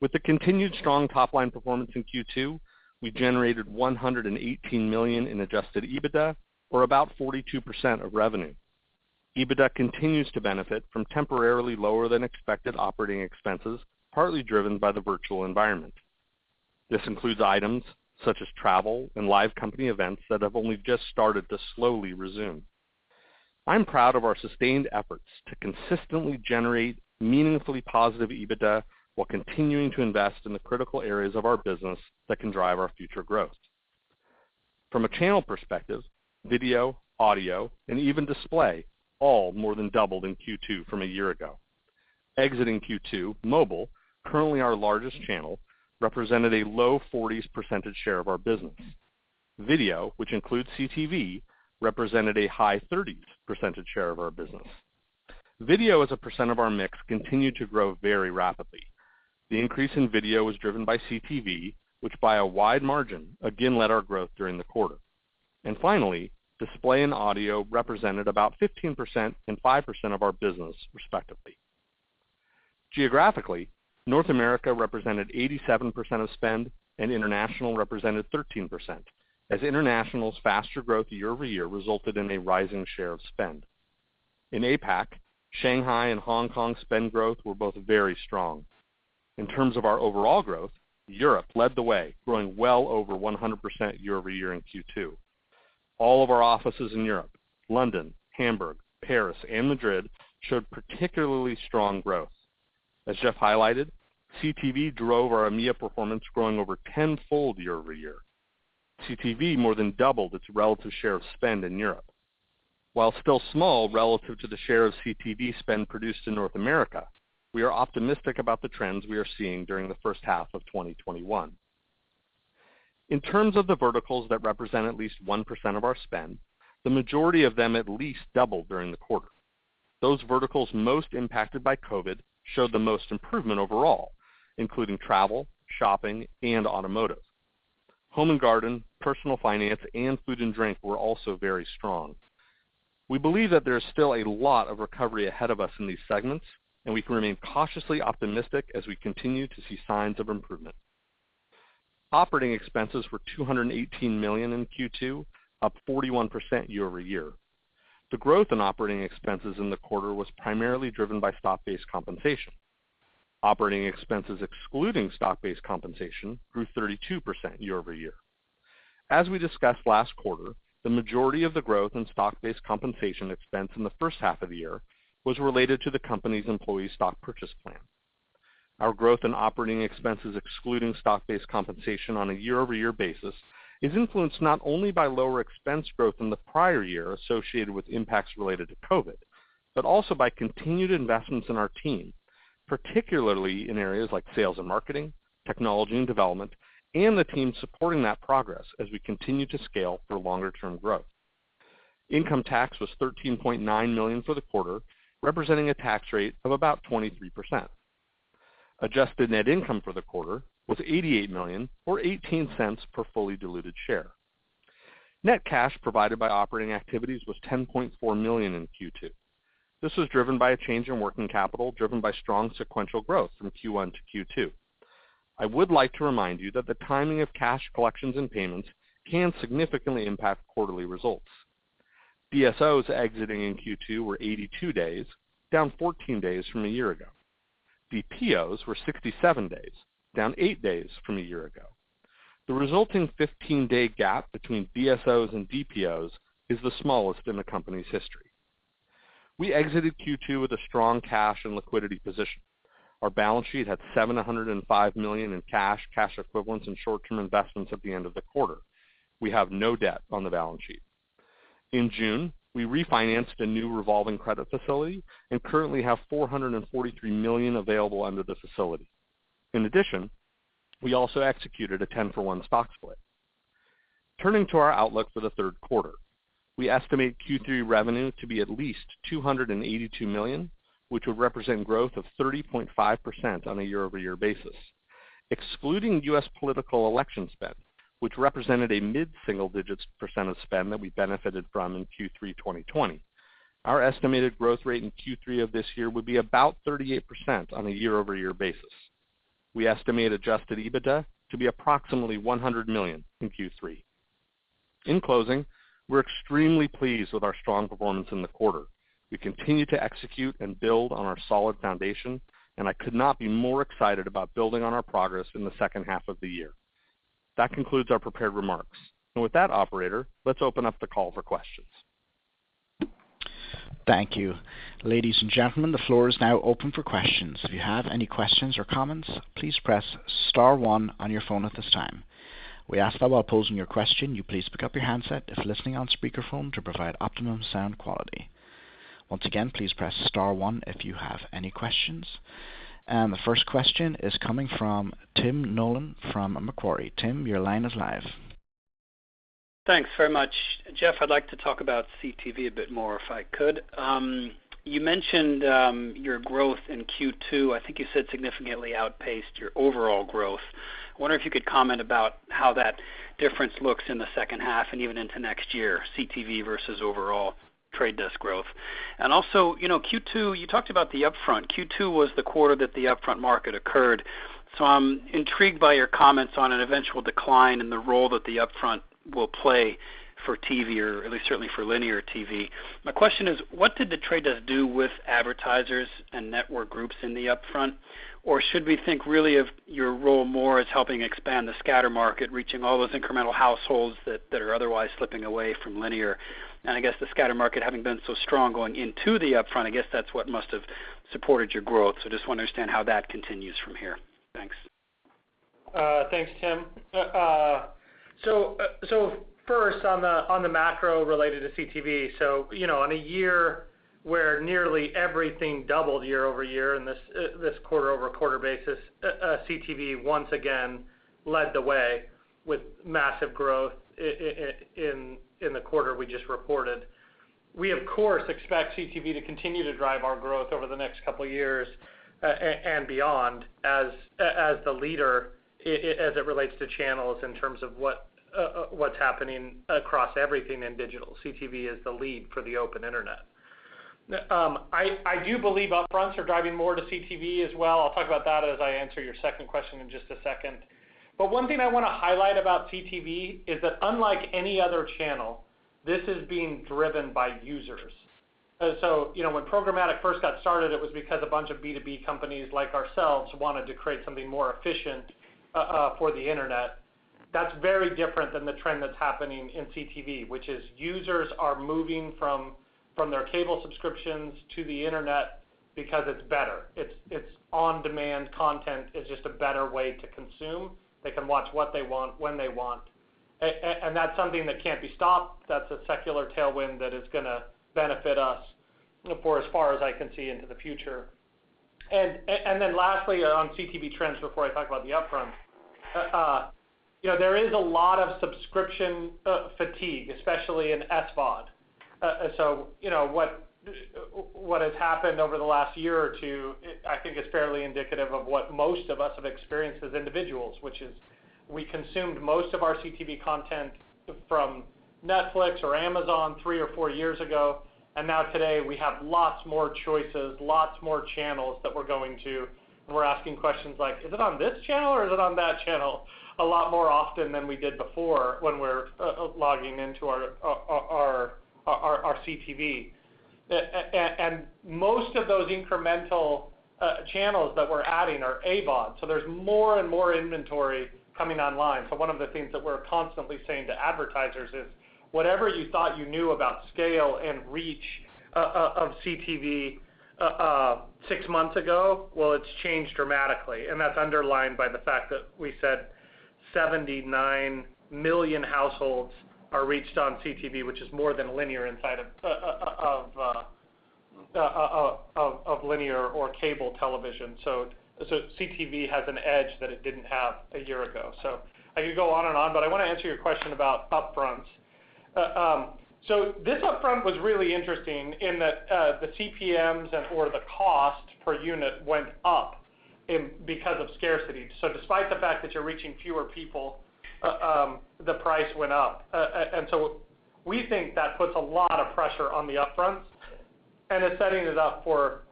With the continued strong top-line performance in Q2, we generated $118 million in Adjusted EBITDA, or about 42% of revenue. EBITDA continues to benefit from temporarily lower than expected operating expenses, partly driven by the virtual environment. This includes items such as travel and live company events that have only just started to slowly resume. I'm proud of our sustained efforts to consistently generate meaningfully positive EBITDA while continuing to invest in the critical areas of our business that can drive our future growth. From a channel perspective, video, audio, and even display all more than doubled in Q2 from a year ago. Exiting Q2, mobile, currently our largest channel, represented a low 40s % share of our business. Video, which includes CTV, represented a high 30s % share of our business. Video as a percent of our mix continued to grow very rapidly. The increase in video was driven by CTV, which by a wide margin again led our growth during the quarter. Finally, display and audio represented about 15% and 5% of our business, respectively. Geographically, North America represented 87% of spend and international represented 13%, as international's faster growth year-over-year resulted in a rising share of spend. In APAC, Shanghai and Hong Kong spend growth were both very strong. In terms of our overall growth, Europe led the way, growing well over 100% year-over-year in Q2. All of our offices in Europe, London, Hamburg, Paris, and Madrid, showed particularly strong growth. As Jeff highlighted, CTV drove our EMEA performance, growing over tenfold year-over-year. CTV more than doubled its relative share of spend in Europe. While still small relative to the share of CTV spend produced in North America, we are optimistic about the trends we are seeing during the first half of 2021. In terms of the verticals that represent at least 1% of our spend, the majority of them at least doubled during the quarter. Those verticals most impacted by COVID showed the most improvement overall, including travel, shopping, and automotive. Home and garden, personal finance, and food and drink were also very strong. We believe that there is still a lot of recovery ahead of us in these segments, and we can remain cautiously optimistic as we continue to see signs of improvement. Operating expenses were $218 million in Q2, up 41% year-over-year. The growth in operating expenses in the quarter was primarily driven by stock-based compensation. Operating expenses excluding stock-based compensation grew 32% year-over-year. As we discussed last quarter, the majority of the growth in stock-based compensation expense in the first half of the year was related to the company's employee stock purchase plan. Our growth in operating expenses excluding stock-based compensation on a year-over-year basis is influenced not only by lower expense growth in the prior year associated with impacts related to COVID, but also by continued investments in our team, particularly in areas like sales and marketing, technology and development, and the team supporting that progress as we continue to scale for longer-term growth. Income tax was $13.9 million for the quarter, representing a tax rate of about 23%. Adjusted net income for the quarter was $88 million, or $0.18 per fully diluted share. Net cash provided by operating activities was $10.4 million in Q2. This was driven by a change in working capital driven by strong sequential growth from Q1 to Q2. I would like to remind you that the timing of cash collections and payments can significantly impact quarterly results. DSOs exiting in Q2 were 82 days, down 14 days from a year ago. DPOs were 67 days, down eight days from a year ago. The resulting 15-day gap between DSOs and DPOs is the smallest in the company's history. We exited Q2 with a strong cash and liquidity position. Our balance sheet had $705 million in cash equivalents, and short-term investments at the end of the quarter. We have no debt on the balance sheet. In June, we refinanced a new revolving credit facility and currently have $443 million available under this facility. In addition, we also executed a 10 for 1 stock split. Turning to our outlook for the third quarter, we estimate Q3 revenue to be at least $282 million, which would represent growth of 30.5% on a year-over-year basis. Excluding U.S. political election spend, which represented a mid-single digits % of spend that we benefited from in Q3 2020, our estimated growth rate in Q3 of this year would be about 38% on a year-over-year basis. We estimate adjusted EBITDA to be approximately $100 million in Q3. In closing, we're extremely pleased with our strong performance in the quarter. We continue to execute and build on our solid foundation, I could not be more excited about building on our progress in the second half of the year. That concludes our prepared remarks. With that operator, let's open up the call for questions. Thank you. The first question is coming from Tim Nollen from Macquarie. Tim, your line is live. Thanks very much. Jeff, I'd like to talk about CTV a bit more, if I could. You mentioned, your growth in Q2, I think you said significantly outpaced your overall growth. Wonder if you could comment about how that difference looks in the second half and even into next year, CTV versus overall The Trade Desk growth? Also, Q2, you talked about the upfront. Q2 was the quarter that the upfront market occurred. I'm intrigued by your comments on an eventual decline in the role that the upfront will play for TV, or at least certainly for linear TV. My question is, what did The Trade Desk do with advertisers and network groups in the upfront? Or should we think really of your role more as helping expand the scatter market, reaching all those incremental households that are otherwise slipping away from linear? I guess the scatter market having been so strong going into the upfront, I guess that's what must have supported your growth. Just want to understand how that continues from here. Thanks. Thanks, Tim. First, on the macro related to CTV. In a year where nearly everything doubled year-over-year in this quarter-over-quarter basis, CTV once again led the way with massive growth in the quarter we just reported. We, of course, expect CTV to continue to drive our growth over the next couple of years, and beyond as the leader as it relates to channels in terms of what's happening across everything in digital. CTV is the lead for the open Internet. I do believe upfronts are driving more to CTV as well. I'll talk about that as I answer your second question in just a second. One thing I want to highlight about CTV is that unlike any other channel, this is being driven by users. When programmatic first got started, it was because a bunch of B2B companies like ourselves wanted to create something more efficient for the Internet. That's very different than the trend that's happening in CTV, which is users are moving from their cable subscriptions to the Internet because it's better. It's on-demand content. It's just a better way to consume. They can watch what they want when they want. That's something that can't be stopped. That's a secular tailwind that is going to benefit us for as far as I can see into the future. Lastly, on CTV trends before I talk about the upfront. There is a lot of subscription fatigue, especially in SVOD. What has happened over the last year or two, I think, is fairly indicative of what most of us have experienced as individuals, which is we consumed most of our CTV content from Netflix or Amazon three or four years ago. Now today, we have lots more choices, lots more channels that we're going to, and we're asking questions like, "Is it on this channel, or is it on that channel?" a lot more often than we did before when we're logging into our CTV. Most of those incremental channels that we're adding are AVOD. There's more and more inventory coming online. One of the things that we're constantly saying to advertisers is, whatever you thought you knew about scale and reach of CTV six months ago, well, it's changed dramatically. That's underlined by the fact that we said 79 million households are reached on CTV, which is more than linear or cable television. CTV has an edge that it didn't have a year ago. I could go on and on, but I want to answer your question about upfronts. This upfront was really interesting in that the CPMs and or the cost per unit went up because of scarcity. Despite the fact that you're reaching fewer people, the price went up. We think that puts a lot of pressure on the upfronts and is setting it up for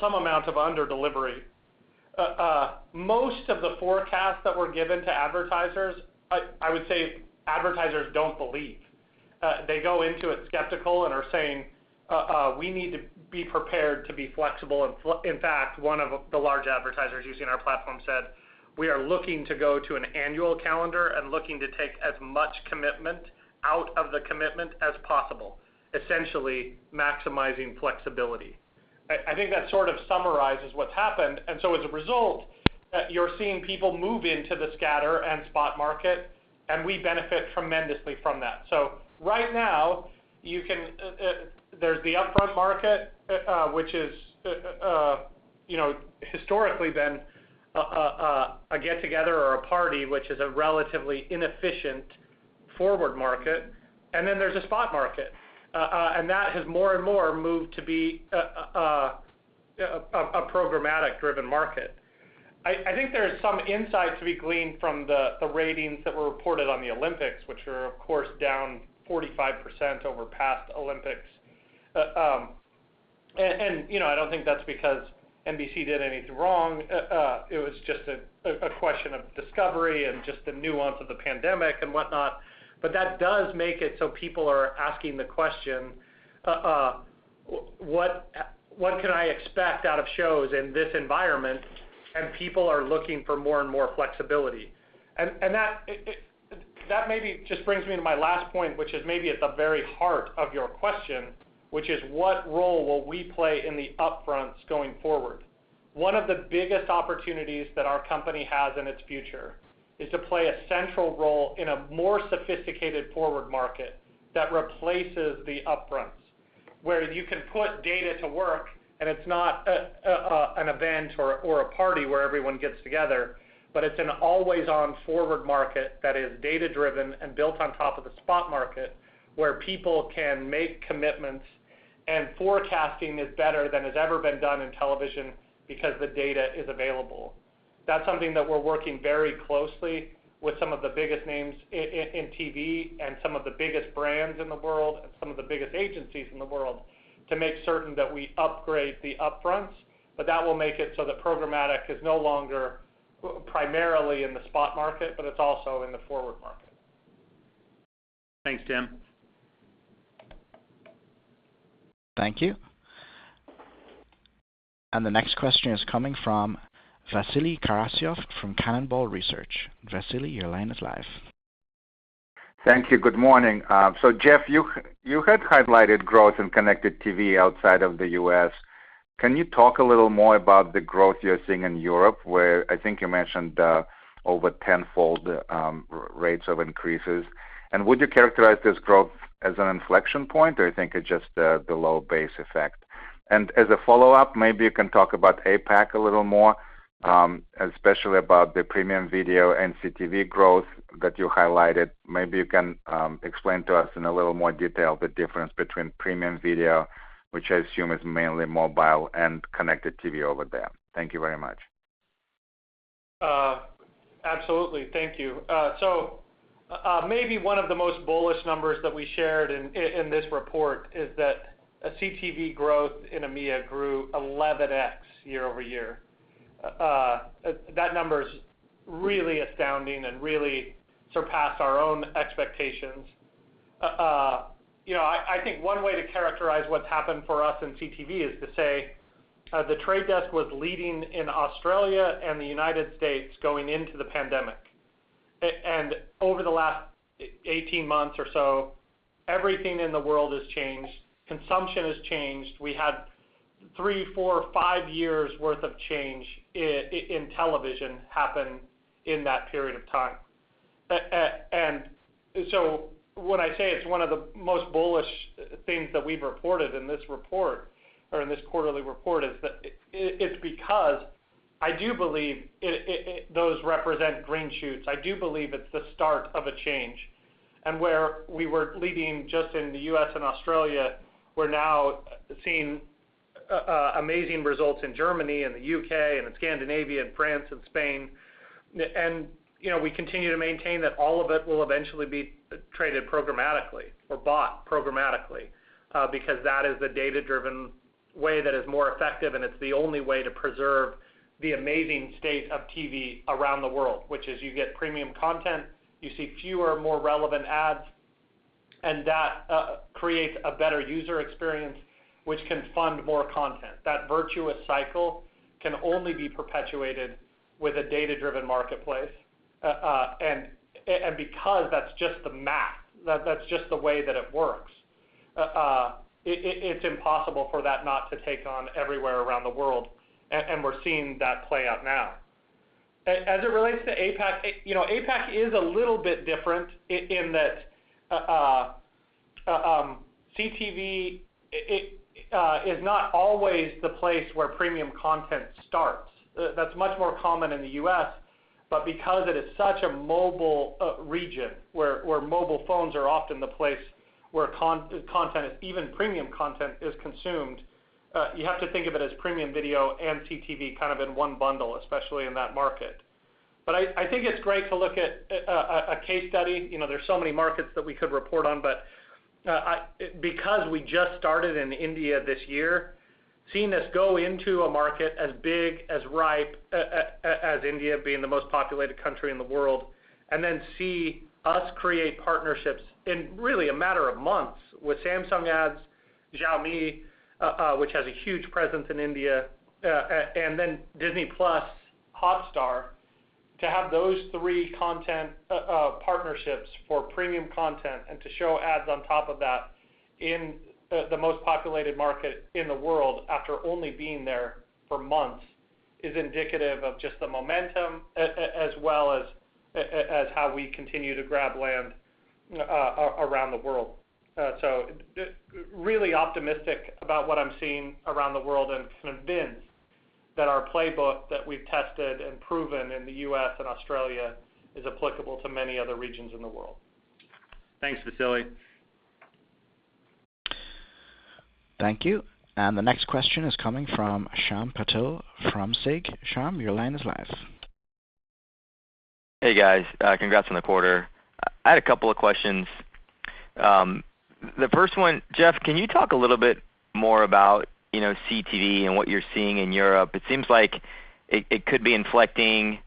some amount of under-delivery. Most of the forecasts that were given to advertisers, I would say advertisers don't believe. They go into it skeptical and are saying, we need to be prepared to be flexible. In fact, one of the large advertisers using our platform said, "We are looking to go to an annual calendar and looking to take as much commitment out of the commitment as possible," essentially maximizing flexibility. I think that sort of summarizes what's happened. As a result, you're seeing people move into the scatter and spot market, and we benefit tremendously from that. Right now, there's the upfront market, which has historically been a get-together or a party, which is a relatively inefficient forward market. There's a spot market, and that has more and more moved to be a programmatic-driven market. I think there's some insight to be gleaned from the ratings that were reported on the Olympics, which were, of course, down 45% over past Olympics. I don't think that's because NBC did anything wrong. It was just a question of discovery and just the nuance of the pandemic and whatnot. That does make it so people are asking the question, "What can I expect out of shows in this environment?" People are looking for more and more flexibility. That maybe just brings me to my last point, which is maybe at the very heart of your question, which is what role will we play in the upfronts going forward? One of the biggest opportunities that our company has in its future is to play a central role in a more sophisticated forward market that replaces the upfronts, where you can put data to work, and it's not an event or a party where everyone gets together, but it's an always-on forward market that is data-driven and built on top of the spot market, where people can make commitments and forecasting is better than has ever been done in television because the data is available. That's something that we're working very closely with some of the biggest names in TV and some of the biggest brands in the world and some of the biggest agencies in the world to make certain that we upgrade the upfronts. That will make it so that programmatic is no longer primarily in the spot market, but it's also in the forward market. Thanks, Tim. Thank you. The next question is coming from Vasily Karasyov from Cannonball Research. Vasily, your line is live. Thank you. Good morning. Jeff, you had highlighted growth in connected TV outside of the U.S. Can you talk a little more about the growth you're seeing in Europe, where I think you mentioned over 10-fold rates of increases? Would you characterize this growth as an inflection point, or you think it's just the low base effect? As a follow-up, maybe you can talk about APAC a little more, especially about the premium video and CTV growth that you highlighted. Maybe you can explain to us in a little more detail the difference between premium video, which I assume is mainly mobile and connected TV over there. Thank you very much. Absolutely. Thank you. Maybe one of the most bullish numbers that we shared in this report is that CTV growth in EMEIA grew 11X year-over-year. That number is really astounding and really surpassed our own expectations. I think one way to characterize what's happened for us in CTV is to say The Trade Desk was leading in Australia and the U.S. going into the pandemic. Over the last 18 months or so, everything in the world has changed. Consumption has changed. We had 3, 4, 5 years worth of change in television happen in that period of time. When I say it's one of the most bullish things that we've reported in this report or in this quarterly report, it's because I do believe those represent green shoots. I do believe it's the start of a change. Where we were leading just in the U.S. and Australia, we're now seeing amazing results in Germany and the U.K. and in Scandinavia and France and Spain. We continue to maintain that all of it will eventually be traded programmatically or bought programmatically because that is the data-driven way that is more effective, and it's the only way to preserve the amazing state of TV around the world. Which is you get premium content, you see fewer, more relevant ads, and that creates a better user experience, which can fund more content. That virtuous cycle can only be perpetuated with a data-driven marketplace. Because that's just the math, that's just the way that it works. It's impossible for that not to take on everywhere around the world, and we're seeing that play out now. As it relates to APAC is a little bit different in that CTV is not always the place where premium content starts. That's much more common in the U.S., but because it is such a mobile region where mobile phones are often the place where content, even premium content, is consumed, you have to think of it as premium video and CTV kind of in one bundle, especially in that market. I think it's great to look at a case study. There's so many markets that we could report on because we just started in India this year, seeing us go into a market as big, as ripe as India, being the most populated country in the world, see us create partnerships in really a matter of months with Samsung Ads, Xiaomi, which has a huge presence in India, Disney+ Hotstar. To have those three content partnerships for premium content and to show ads on top of that in the most populated market in the world after only being there for months is indicative of just the momentum, as well as how we continue to grab land around the world. Really optimistic about what I'm seeing around the world and convinced that our playbook that we've tested and proven in the U.S. and Australia is applicable to many other regions in the world. Thanks, Vasily. Thank you. The next question is coming from Shyam Patil from Susquehanna. Shyam, your line is live. Hey, guys. Congrats on the quarter. I had a couple of questions. The first one, Jeff, can you talk a little bit more about CTV and what you're seeing in Europe? It seems like it could be inflecting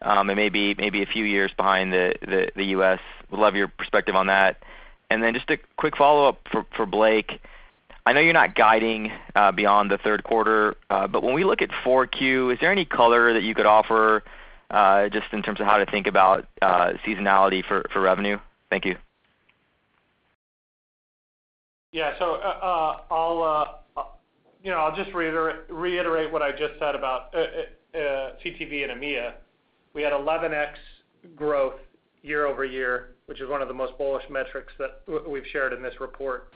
and may be a few years behind the U.S. Would love your perspective on that. Just a quick follow-up for Blake. I know you're not guiding beyond the 3rd quarter, but when we look at 4Q, is there any color that you could offer just in terms of how to think about seasonality for revenue? Thank you. Yeah. I'll just reiterate what I just said about CTV and EMEA. We had 11X growth year-over-year, which is one of the most bullish metrics that we've shared in this report.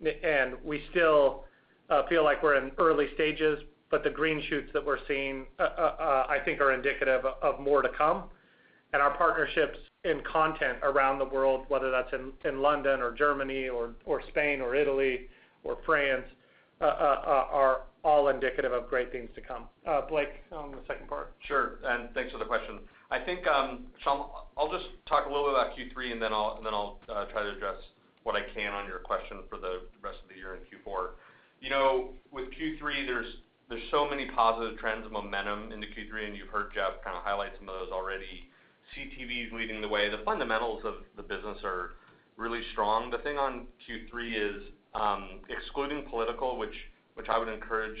We still feel like we're in early stages, but the green shoots that we're seeing, I think are indicative of more to come. Our partnerships in content around the world, whether that's in London or Germany or Spain or Italy or France, are all indicative of great things to come. Blake, on the second part. Sure, thanks for the question. I think, Shyam, I'll just talk a little bit about Q3, and then I'll try to address what I can on your question for the rest of the year in Q4. With Q3, there's so many positive trends and momentum into Q3, and you've heard Jeff kind of highlight some of those already. CTV is leading the way. The fundamentals of the business are really strong. The thing on Q3 is, excluding political, which I would encourage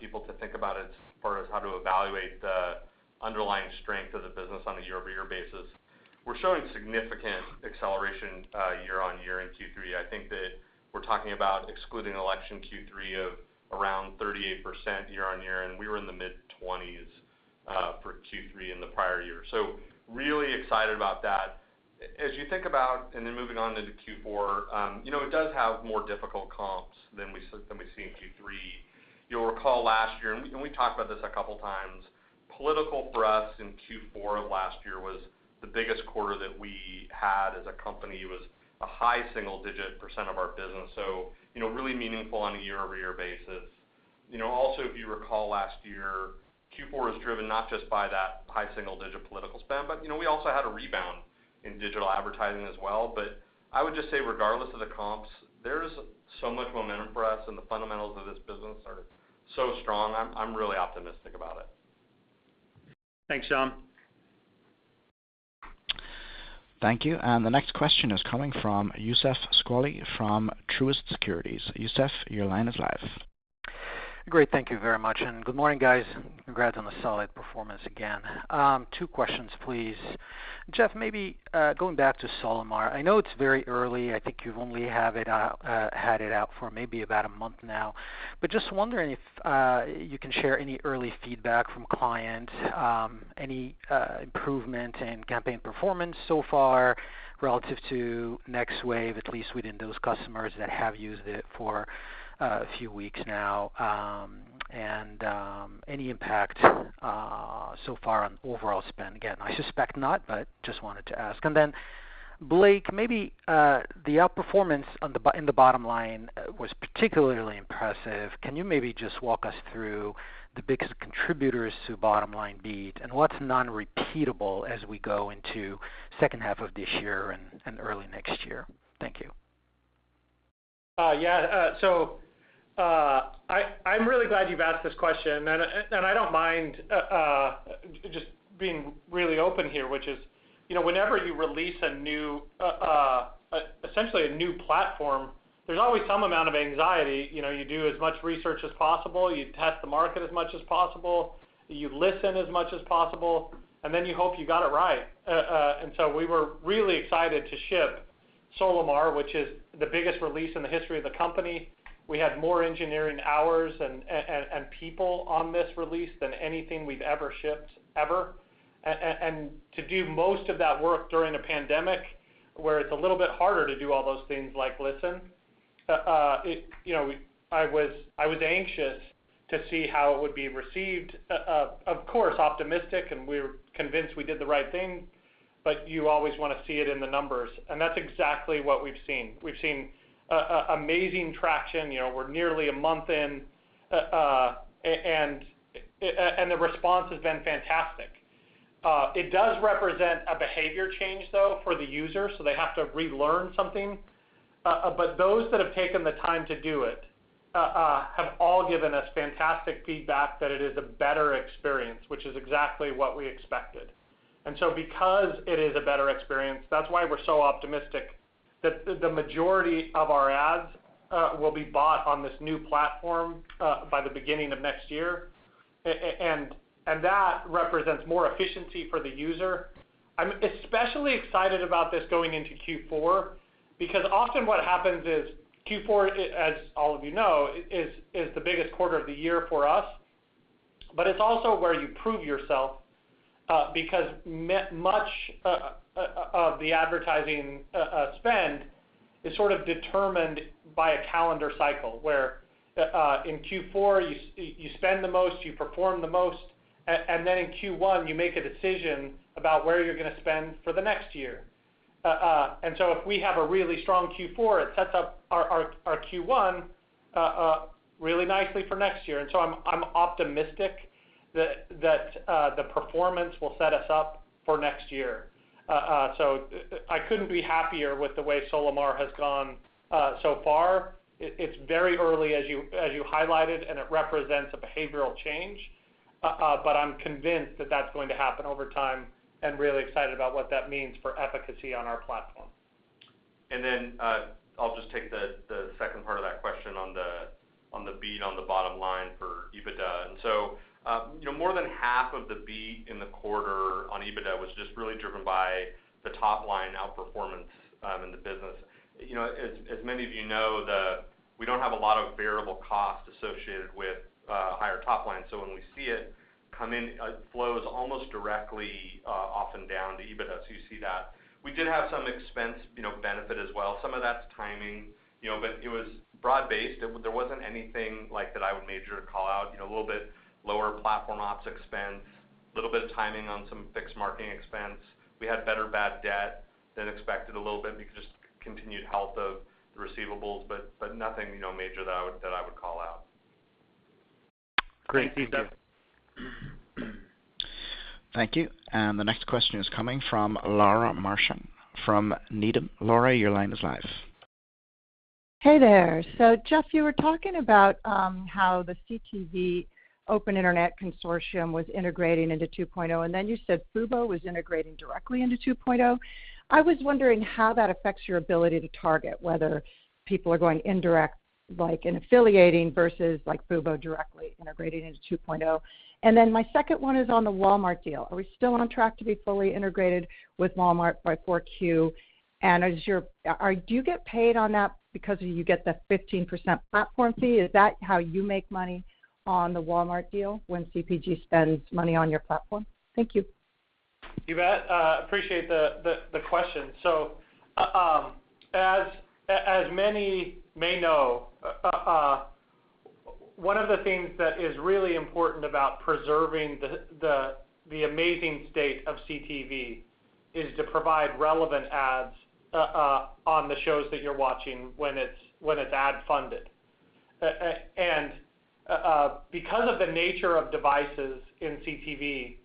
people to think about as far as how to evaluate the underlying strength of the business on a year-over-year basis. We're showing significant acceleration year-on-year in Q3. I think that we're talking about excluding election Q3 of around 38% year-on-year, and we were in the mid-20s for Q3 in the prior year. Really excited about that. As you think about, moving on into Q4, it does have more difficult comps than we see in Q3. You'll recall last year, we've talked about this a couple times, political for us in Q4 of last year was the biggest quarter that we had as a company, was a high single-digit % of our business. Really meaningful on a year-over-year basis. Also if you recall last year, Q4 was driven not just by that high single-digit political spend, but we also had a rebound in digital advertising as well. I would just say, regardless of the comps, there's so much momentum for us and the fundamentals of this business are so strong. I'm really optimistic about it. Thanks, Shyam. Thank you. The next question is coming from Youssef Squali from Truist Securities. Youssef, your line is live. Great. Thank you very much, and good morning, guys. Congrats on the solid performance again. Two questions, please. Jeff, maybe going back to Solimar. I know it's very early. I think you've only had it out for maybe about one month now, but just wondering if you can share any early feedback from clients, any improvement in campaign performance so far relative to Next Wave, at least within those customers that have used it for a few weeks now. Any impact so far on overall spend. Again, I suspect not, but just wanted to ask. Blake, maybe the outperformance in the bottom line was particularly impressive. Can you maybe just walk us through the biggest contributors to bottom line beat and what's non-repeatable as we go into second half of this year and early next year? Thank you. I'm really glad you've asked this question, and I don't mind just being really open here, which is whenever you release essentially a new platform, there's always some amount of anxiety. You do as much research as possible. You test the market as much as possible. You listen as much as possible, you hope you got it right. We were really excited to ship Solimar, which is the biggest release in the history of the company. We had more engineering hours and people on this release than anything we've ever shipped, ever. To do most of that work during a pandemic, where it's a little bit harder to do all those things like listen. I was anxious to see how it would be received. Of course, optimistic, and we were convinced we did the right thing, but you always want to see it in the numbers, and that's exactly what we've seen. We've seen amazing traction. We're nearly a month in, and the response has been fantastic. It does represent a behavior change, though, for the user, so they have to relearn something. Those that have taken the time to do it have all given us fantastic feedback that it is a better experience, which is exactly what we expected, because it is a better experience, that's why we're so optimistic that the majority of our ads will be bought on this new platform by the beginning of next year. That represents more efficiency for the user. I'm especially excited about this going into Q4, because often what happens is Q4, as all of you know, is the biggest quarter of the year for us, but it's also where you prove yourself, because much of the advertising spend is sort of determined by a calendar cycle where, in Q4 you spend the most, you perform the most, then in Q1 you make a decision about where you're going to spend for the next year. If we have a really strong Q4, it sets up our Q1 really nicely for next year. I'm optimistic that the performance will set us up for next year. I couldn't be happier with the way Solimar has gone so far. It's very early as you highlighted, and it represents a behavioral change. I'm convinced that that's going to happen over time and really excited about what that means for efficacy on our platform. I'll just take the second part of that question on the beat on the bottom line for EBITDA. More than half of the beat in the quarter on EBITDA was just really driven by the top line outperformance in the business. As many of you know, we don't have a lot of variable cost associated with higher top line. When we see it come in, it flows almost directly often down to EBITDA. You see that. We did have some expense benefit as well. Some of that's timing, but it was broad based. There wasn't anything that I would major call out. A little bit lower platform ops expense, a little bit of timing on some fixed marketing expense. We had better bad debt than expected a little bit because just continued health of the receivables, but nothing major that I would call out. Great. Thank you. Thanks, Jeff. Thank you. The next question is coming from Laura Martin from Needham. Laura, your line is live. Hey there. Jeff, you were talking about how the CTV Open Internet Consortium was integrating into 2.0, then you said Fubo was integrating directly into 2.0. I was wondering how that affects your ability to target, whether people are going indirect like in affiliating versus like Fubo directly integrating into 2.0. My second one is on the Walmart deal. Are we still on track to be fully integrated with Walmart by 4Q? Do you get paid on that because you get the 15% platform fee? Is that how you make money on the Walmart deal when CPG spends money on your platform? Thank you. You bet. Appreciate the question. As many may know, one of the things that is really important about preserving the amazing state of CTV is to provide relevant ads on the shows that you're watching when it's ad funded, because of the nature of devices in CTV,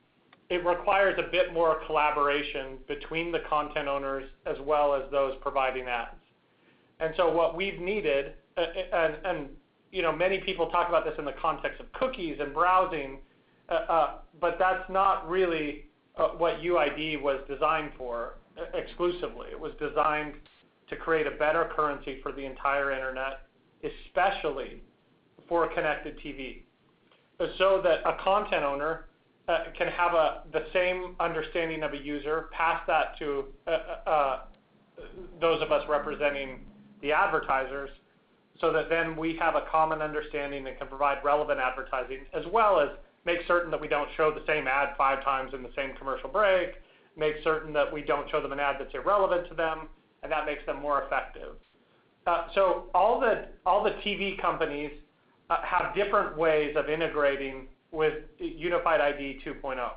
it requires a bit more collaboration between the content owners as well as those providing ads. What we've needed, and many people talk about this in the context of cookies and browsing, but that's not really what UID2 was designed for exclusively. It was designed to create a better currency for the entire internet, especially for connected TV. That a content owner can have the same understanding of a user, pass that to those of us representing the advertisers so that then we have a common understanding and can provide relevant advertising as well as make certain that we don't show the same ad 5x in the same commercial break, make certain that we don't show them an ad that's irrelevant to them, and that makes them more effective. All the TV companies have different ways of integrating with Unified ID 2.0.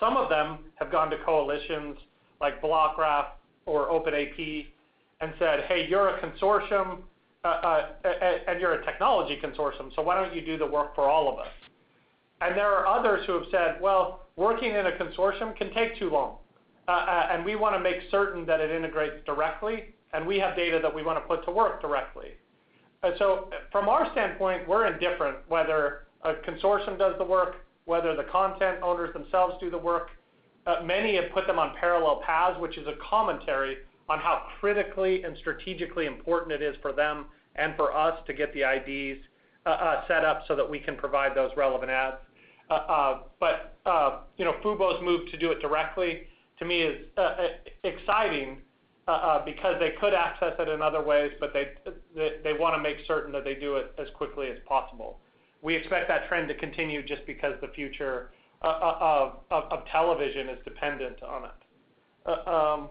Some of them have gone to coalitions like Blockgraph or OpenAP and said, "Hey, you're a consortium, and you're a technology consortium, so why don't you do the work for all of us?" There are others who have said, "Well, working in a consortium can take too long. We want to make certain that it integrates directly, and we have data that we want to put to work directly. From our standpoint, we're indifferent whether a consortium does the work, whether the content owners themselves do the work. Many have put them on parallel paths, which is a commentary on how critically and strategically important it is for them and for us to get the IDs set up so that we can provide those relevant ads. Fubo's move to do it directly to me is exciting because they could access it in other ways, but they want to make certain that they do it as quickly as possible. We expect that trend to continue just because the future of television is dependent on it.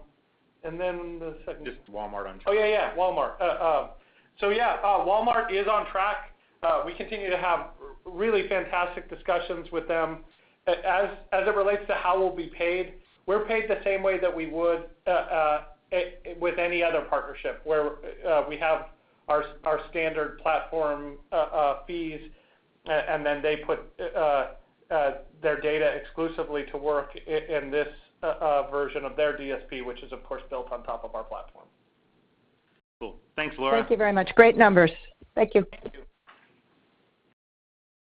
Then the second- Just Walmart on track. Yeah. Walmart. Yeah, Walmart is on track. We continue to have really fantastic discussions with them. As it relates to how we'll be paid, we're paid the same way that we would with any other partnership where we have our standard platform fees, and then they put their data exclusively to work in this version of their DSP, which is of course built on top of our platform. Cool. Thanks, Laura. Thank you very much. Great numbers. Thank you.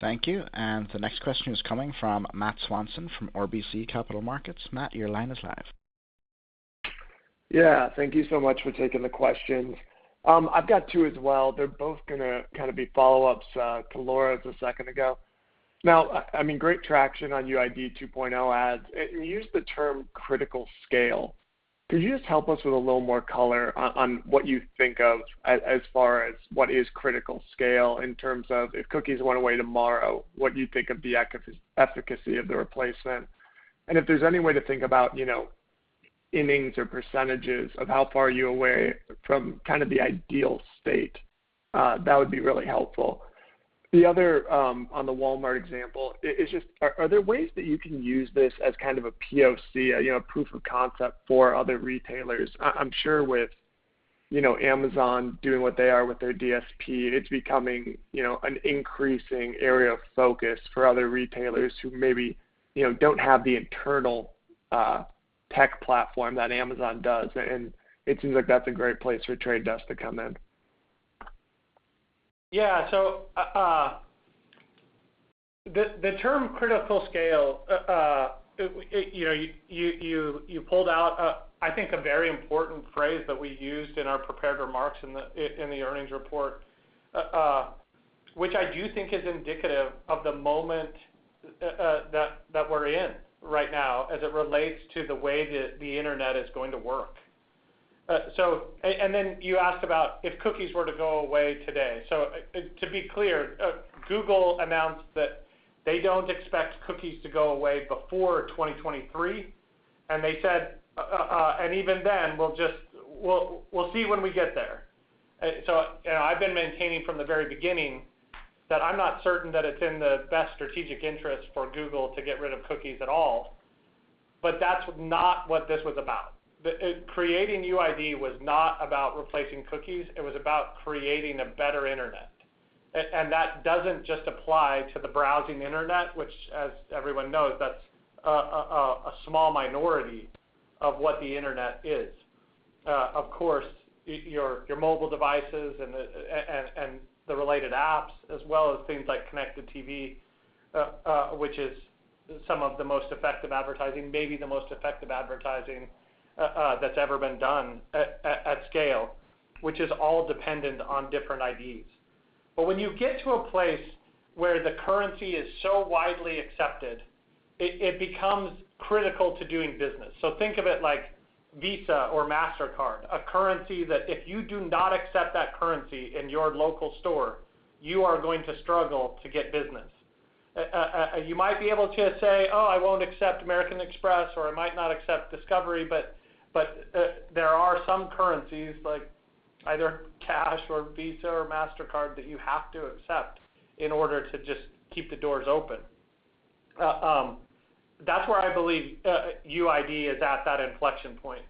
Thank you. The next question is coming from Matt Swanson from RBC Capital Markets. Matt, your line is live. Thank you so much for taking the questions. I've got two as well. They're both going to be follow-ups to Laura Martin's a second ago. Great traction on UID2 2.0 ads. You used the term critical scale. Could you just help us with a little more color on what you think of as far as what is critical scale in terms of if cookies went away tomorrow, what you think of the efficacy of the replacement? If there's any way to think about innings or percentages of how far you're away from kind of the ideal state, that would be really helpful. The other, on the Walmart example, is just are there ways that you can use this as kind of a POC, a proof of concept for other retailers? I'm sure with Amazon doing what they are with their DSP, it's becoming an increasing area of focus for other retailers who maybe don't have the internal tech platform that Amazon does, and it seems like that's a great place for The Trade Desk to come in. The term critical scale, you pulled out, I think, a very important phrase that we used in our prepared remarks in the earnings report, which I do think is indicative of the moment that we're in right now as it relates to the way that the internet is going to work. Then you asked about if cookies were to go away today. To be clear, Google announced that they don't expect cookies to go away before 2023, and they said, and even then, we'll see when we get there. I've been maintaining from the very beginning that I'm not certain that it's in the best strategic interest for Google to get rid of cookies at all, but that's not what this was about. Creating UID2 was not about replacing cookies. It was about creating a better internet. That doesn't just apply to the browsing internet, which, as everyone knows, that's a small minority of what the internet is. Of course, your mobile devices and the related apps, as well as things like connected TV, which is some of the most effective advertising, maybe the most effective advertising that's ever been done at scale, which is all dependent on different IDs. When you get to a place where the currency is so widely accepted, it becomes critical to doing business. Think of it like Visa or Mastercard, a currency that if you do not accept that currency in your local store, you are going to struggle to get business. You might be able to say, "Oh, I won't accept American Express," or, "I might not accept Discovery," but there are some currencies, like either cash or Visa or Mastercard, that you have to accept in order to just keep the doors open. That's where I believe UID2 is at that inflection point,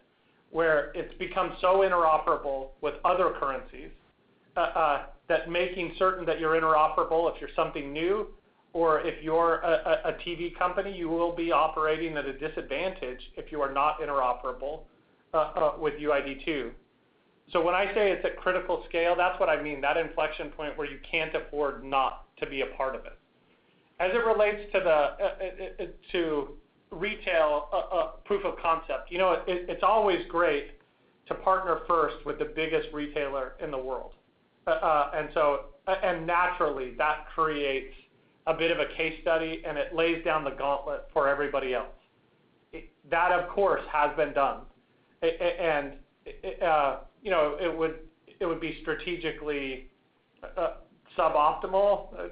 where it's become so interoperable with other currencies that making certain that you're interoperable if you're something new or if you're a TV company, you will be operating at a disadvantage if you are not interoperable with UID2 2. When I say it's at critical scale, that's what I mean, that inflection point where you can't afford not to be a part of it. As it relates to retail proof of concept, it's always great to partner first with the biggest retailer in the world. Naturally, that creates a bit of a case study, and it lays down the gauntlet for everybody else. That, of course, has been done. It would be strategically suboptimal,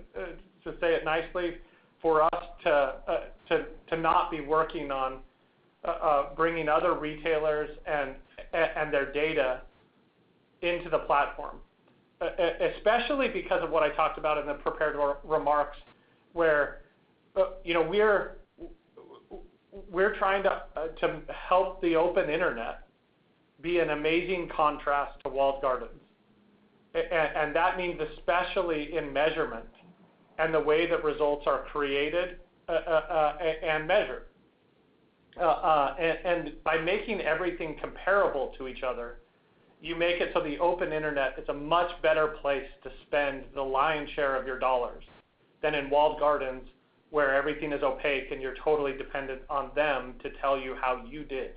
to say it nicely, for us to not be working on bringing other retailers and their data into the platform, especially because of what I talked about in the prepared remarks, where we're trying to help the open internet be an amazing contrast to walled gardens. That means especially in measurement and the way that results are created and measured. By making everything comparable to each other, you make it so the open internet is a much better place to spend the lion's share of your dollars than in walled gardens where everything is opaque, and you're totally dependent on them to tell you how you did.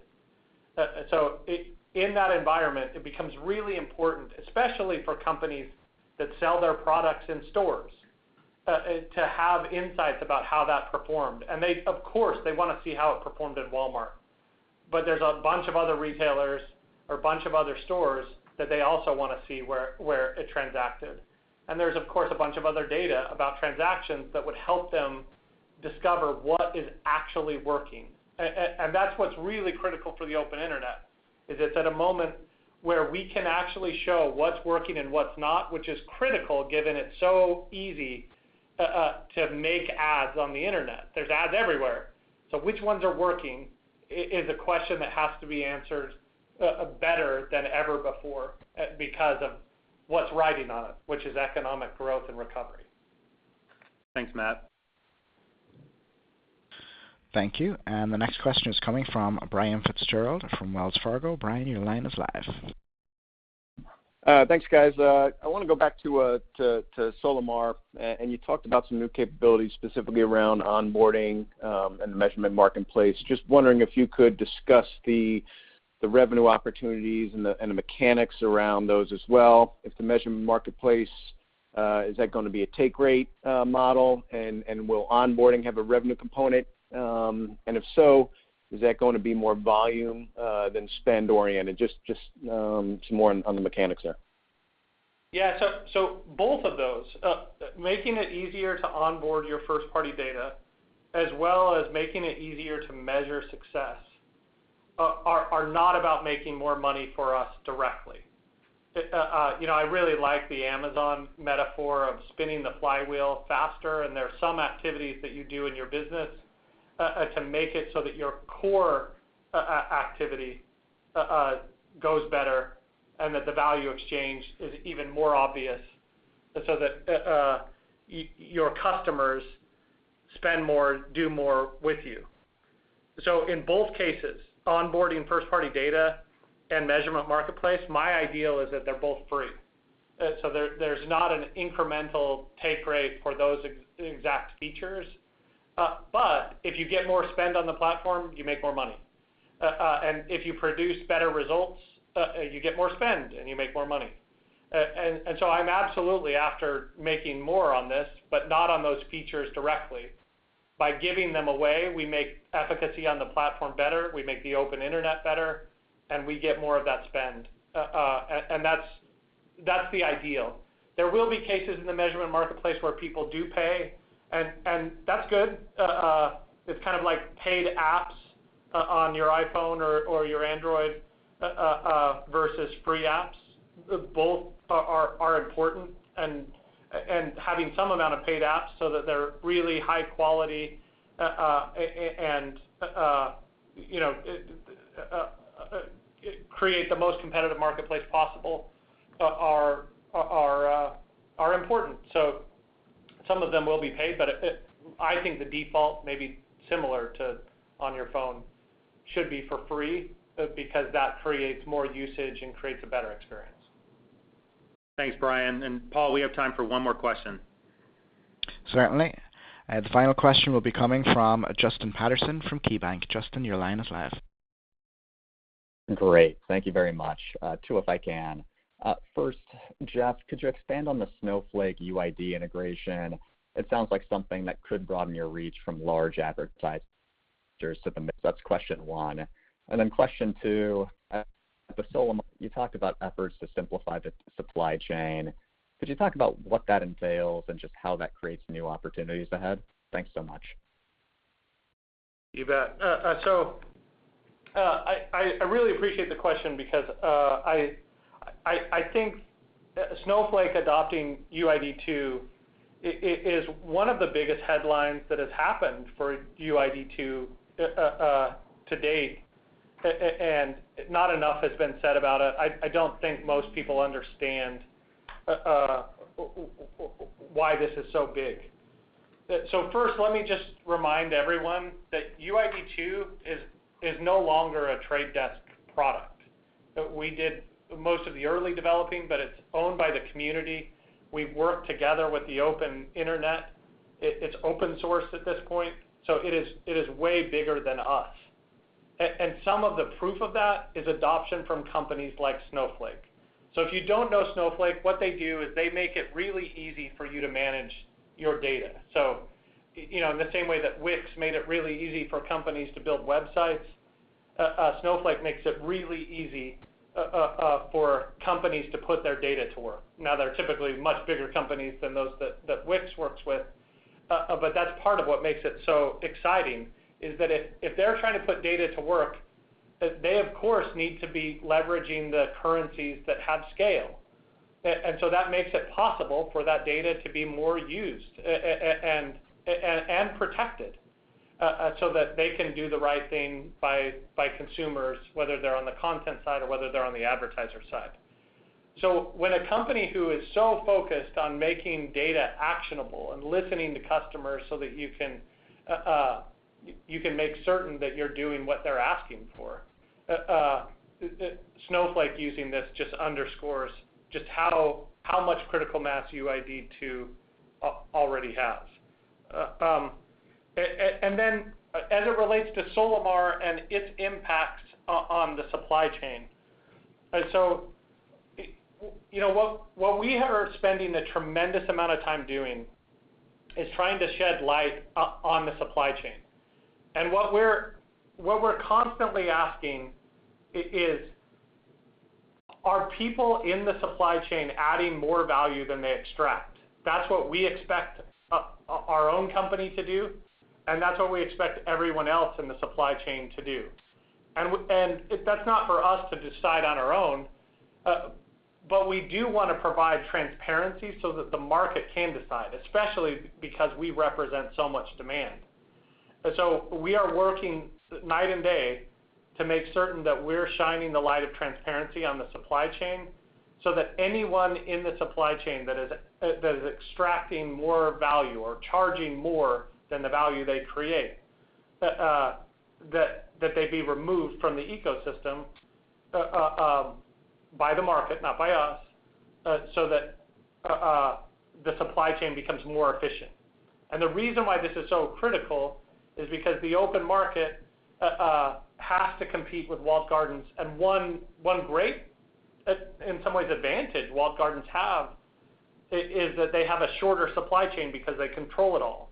In that environment, it becomes really important, especially for companies that sell their products in stores, to have insights about how that performed. Of course, they want to see how it performed at Walmart. There's a bunch of other retailers or a bunch of other stores that they also want to see where it transacted. There's, of course, a bunch of other data about transactions that would help them discover what is actually working, and that's what's really critical for the open internet, is it's at a moment where we can actually show what's working and what's not, which is critical given it's so easy to make ads on the internet. There's ads everywhere. Which ones are working is a question that has to be answered better than ever before because of what's riding on it, which is economic growth and recovery. Thanks, Matt. Thank you. The next question is coming from Brian Fitzgerald from Wells Fargo. Brian, your line is live. Thanks, guys. I want to go back to Solimar, and you talked about some new capabilities specifically around onboarding and the measurement marketplace. Just wondering if you could discuss the revenue opportunities and the mechanics around those as well. If the measurement marketplace, is that going to be a take rate model? Will onboarding have a revenue component? If so, is that going to be more volume than spend oriented? Just some more on the mechanics there. Yeah. Both of those, making it easier to onboard your first-party data as well as making it easier to measure success, are not about making more money for us directly. I really like the Amazon metaphor of spinning the flywheel faster. There are some activities that you do in your business to make it so that your core activity goes better and that the value exchange is even more obvious, so that your customers spend more, do more with you. In both cases, onboarding first-party data and measurement marketplace, my ideal is that they're both free. There's not an incremental take rate for those exact features. If you get more spend on the platform, you make more money. If you produce better results, you get more spend and you make more money. I'm absolutely after making more on this, but not on those features directly. By giving them away, we make efficacy on the platform better, we make the open internet better, and we get more of that spend. That's the ideal. There will be cases in the measurement marketplace where people do pay, and that's good. It's kind of like paid apps on your iPhone or your Android versus free apps. Both are important, and having some amount of paid apps so that they're really high quality and create the most competitive marketplace possible are important. Some of them will be paid, but I think the default may be similar to on your phone should be for free because that creates more usage and creates a better experience. Thanks, Brian. Paul, we have time for one more question. Certainly. The final question will be coming from Justin Patterson from KeyBanc. Justin, your line is live. Great. Thank you very much. Two, if I can. First, Jeff, could you expand on the Snowflake UID2 integration? It sounds like something that could broaden your reach from large advertisers to the mid. That's question one. Question two, at the Solimar, you talked about efforts to simplify the supply chain. Could you talk about what that entails and just how that creates new opportunities ahead? Thanks so much. You bet. I really appreciate the question because I think Snowflake adopting UID2 is one of the biggest headlines that has happened for UID2 to date, and not enough has been said about it. I don't think most people understand why this is so big. First, let me just remind everyone that UID2 is no longer a Trade Desk product. We did most of the early developing, but it's owned by the community. We work together with the open internet. It's open source at this point. It is way bigger than us. Some of the proof of that is adoption from companies like Snowflake. If you don't know Snowflake, what they do is they make it really easy for you to manage your data. In the same way that Wix made it really easy for companies to build websites, Snowflake makes it really easy for companies to put their data to work. They're typically much bigger companies than those that Wix works with. That's part of what makes it so exciting is that if they're trying to put data to work, they of course need to be leveraging the currencies that have scale. That makes it possible for that data to be more used and protected, so that they can do the right thing by consumers, whether they're on the content side or whether they're on the advertiser side. When a company who is so focused on making data actionable and listening to customers so that you can make certain that you're doing what they're asking for, Snowflake using this just underscores just how much critical mass UID2 already has. As it relates to Solimar and its impacts on the supply chain, what we are spending a tremendous amount of time doing is trying to shed light on the supply chain. What we're constantly asking is, are people in the supply chain adding more value than they extract? That's what we expect our own company to do, and that's what we expect everyone else in the supply chain to do. That's not for us to decide on our own, but we do want to provide transparency so that the market can decide, especially because we represent so much demand. We are working night and day to make certain that we're shining the light of transparency on the supply chain so that anyone in the supply chain that is extracting more value or charging more than the value they create, that they be removed from the ecosystem, by the market, not by us, so that the supply chain becomes more efficient. The reason why this is so critical is because the open market has to compete with walled gardens, and one great, in some ways, advantage walled gardens have is that they have a shorter supply chain because they control it all.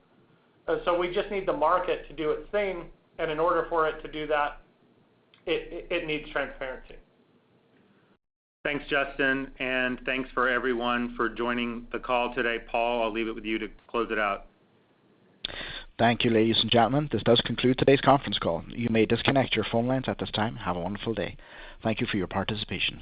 We just need the market to do its thing, and in order for it to do that, it needs transparency. Thanks, Justin, and thanks for everyone for joining the call today. Paul, I'll leave it with you to close it out. Thank you, ladies and gentlemen. This does conclude today's conference call. You may disconnect your phone lines at this time. Have a wonderful day. Thank you for your participation.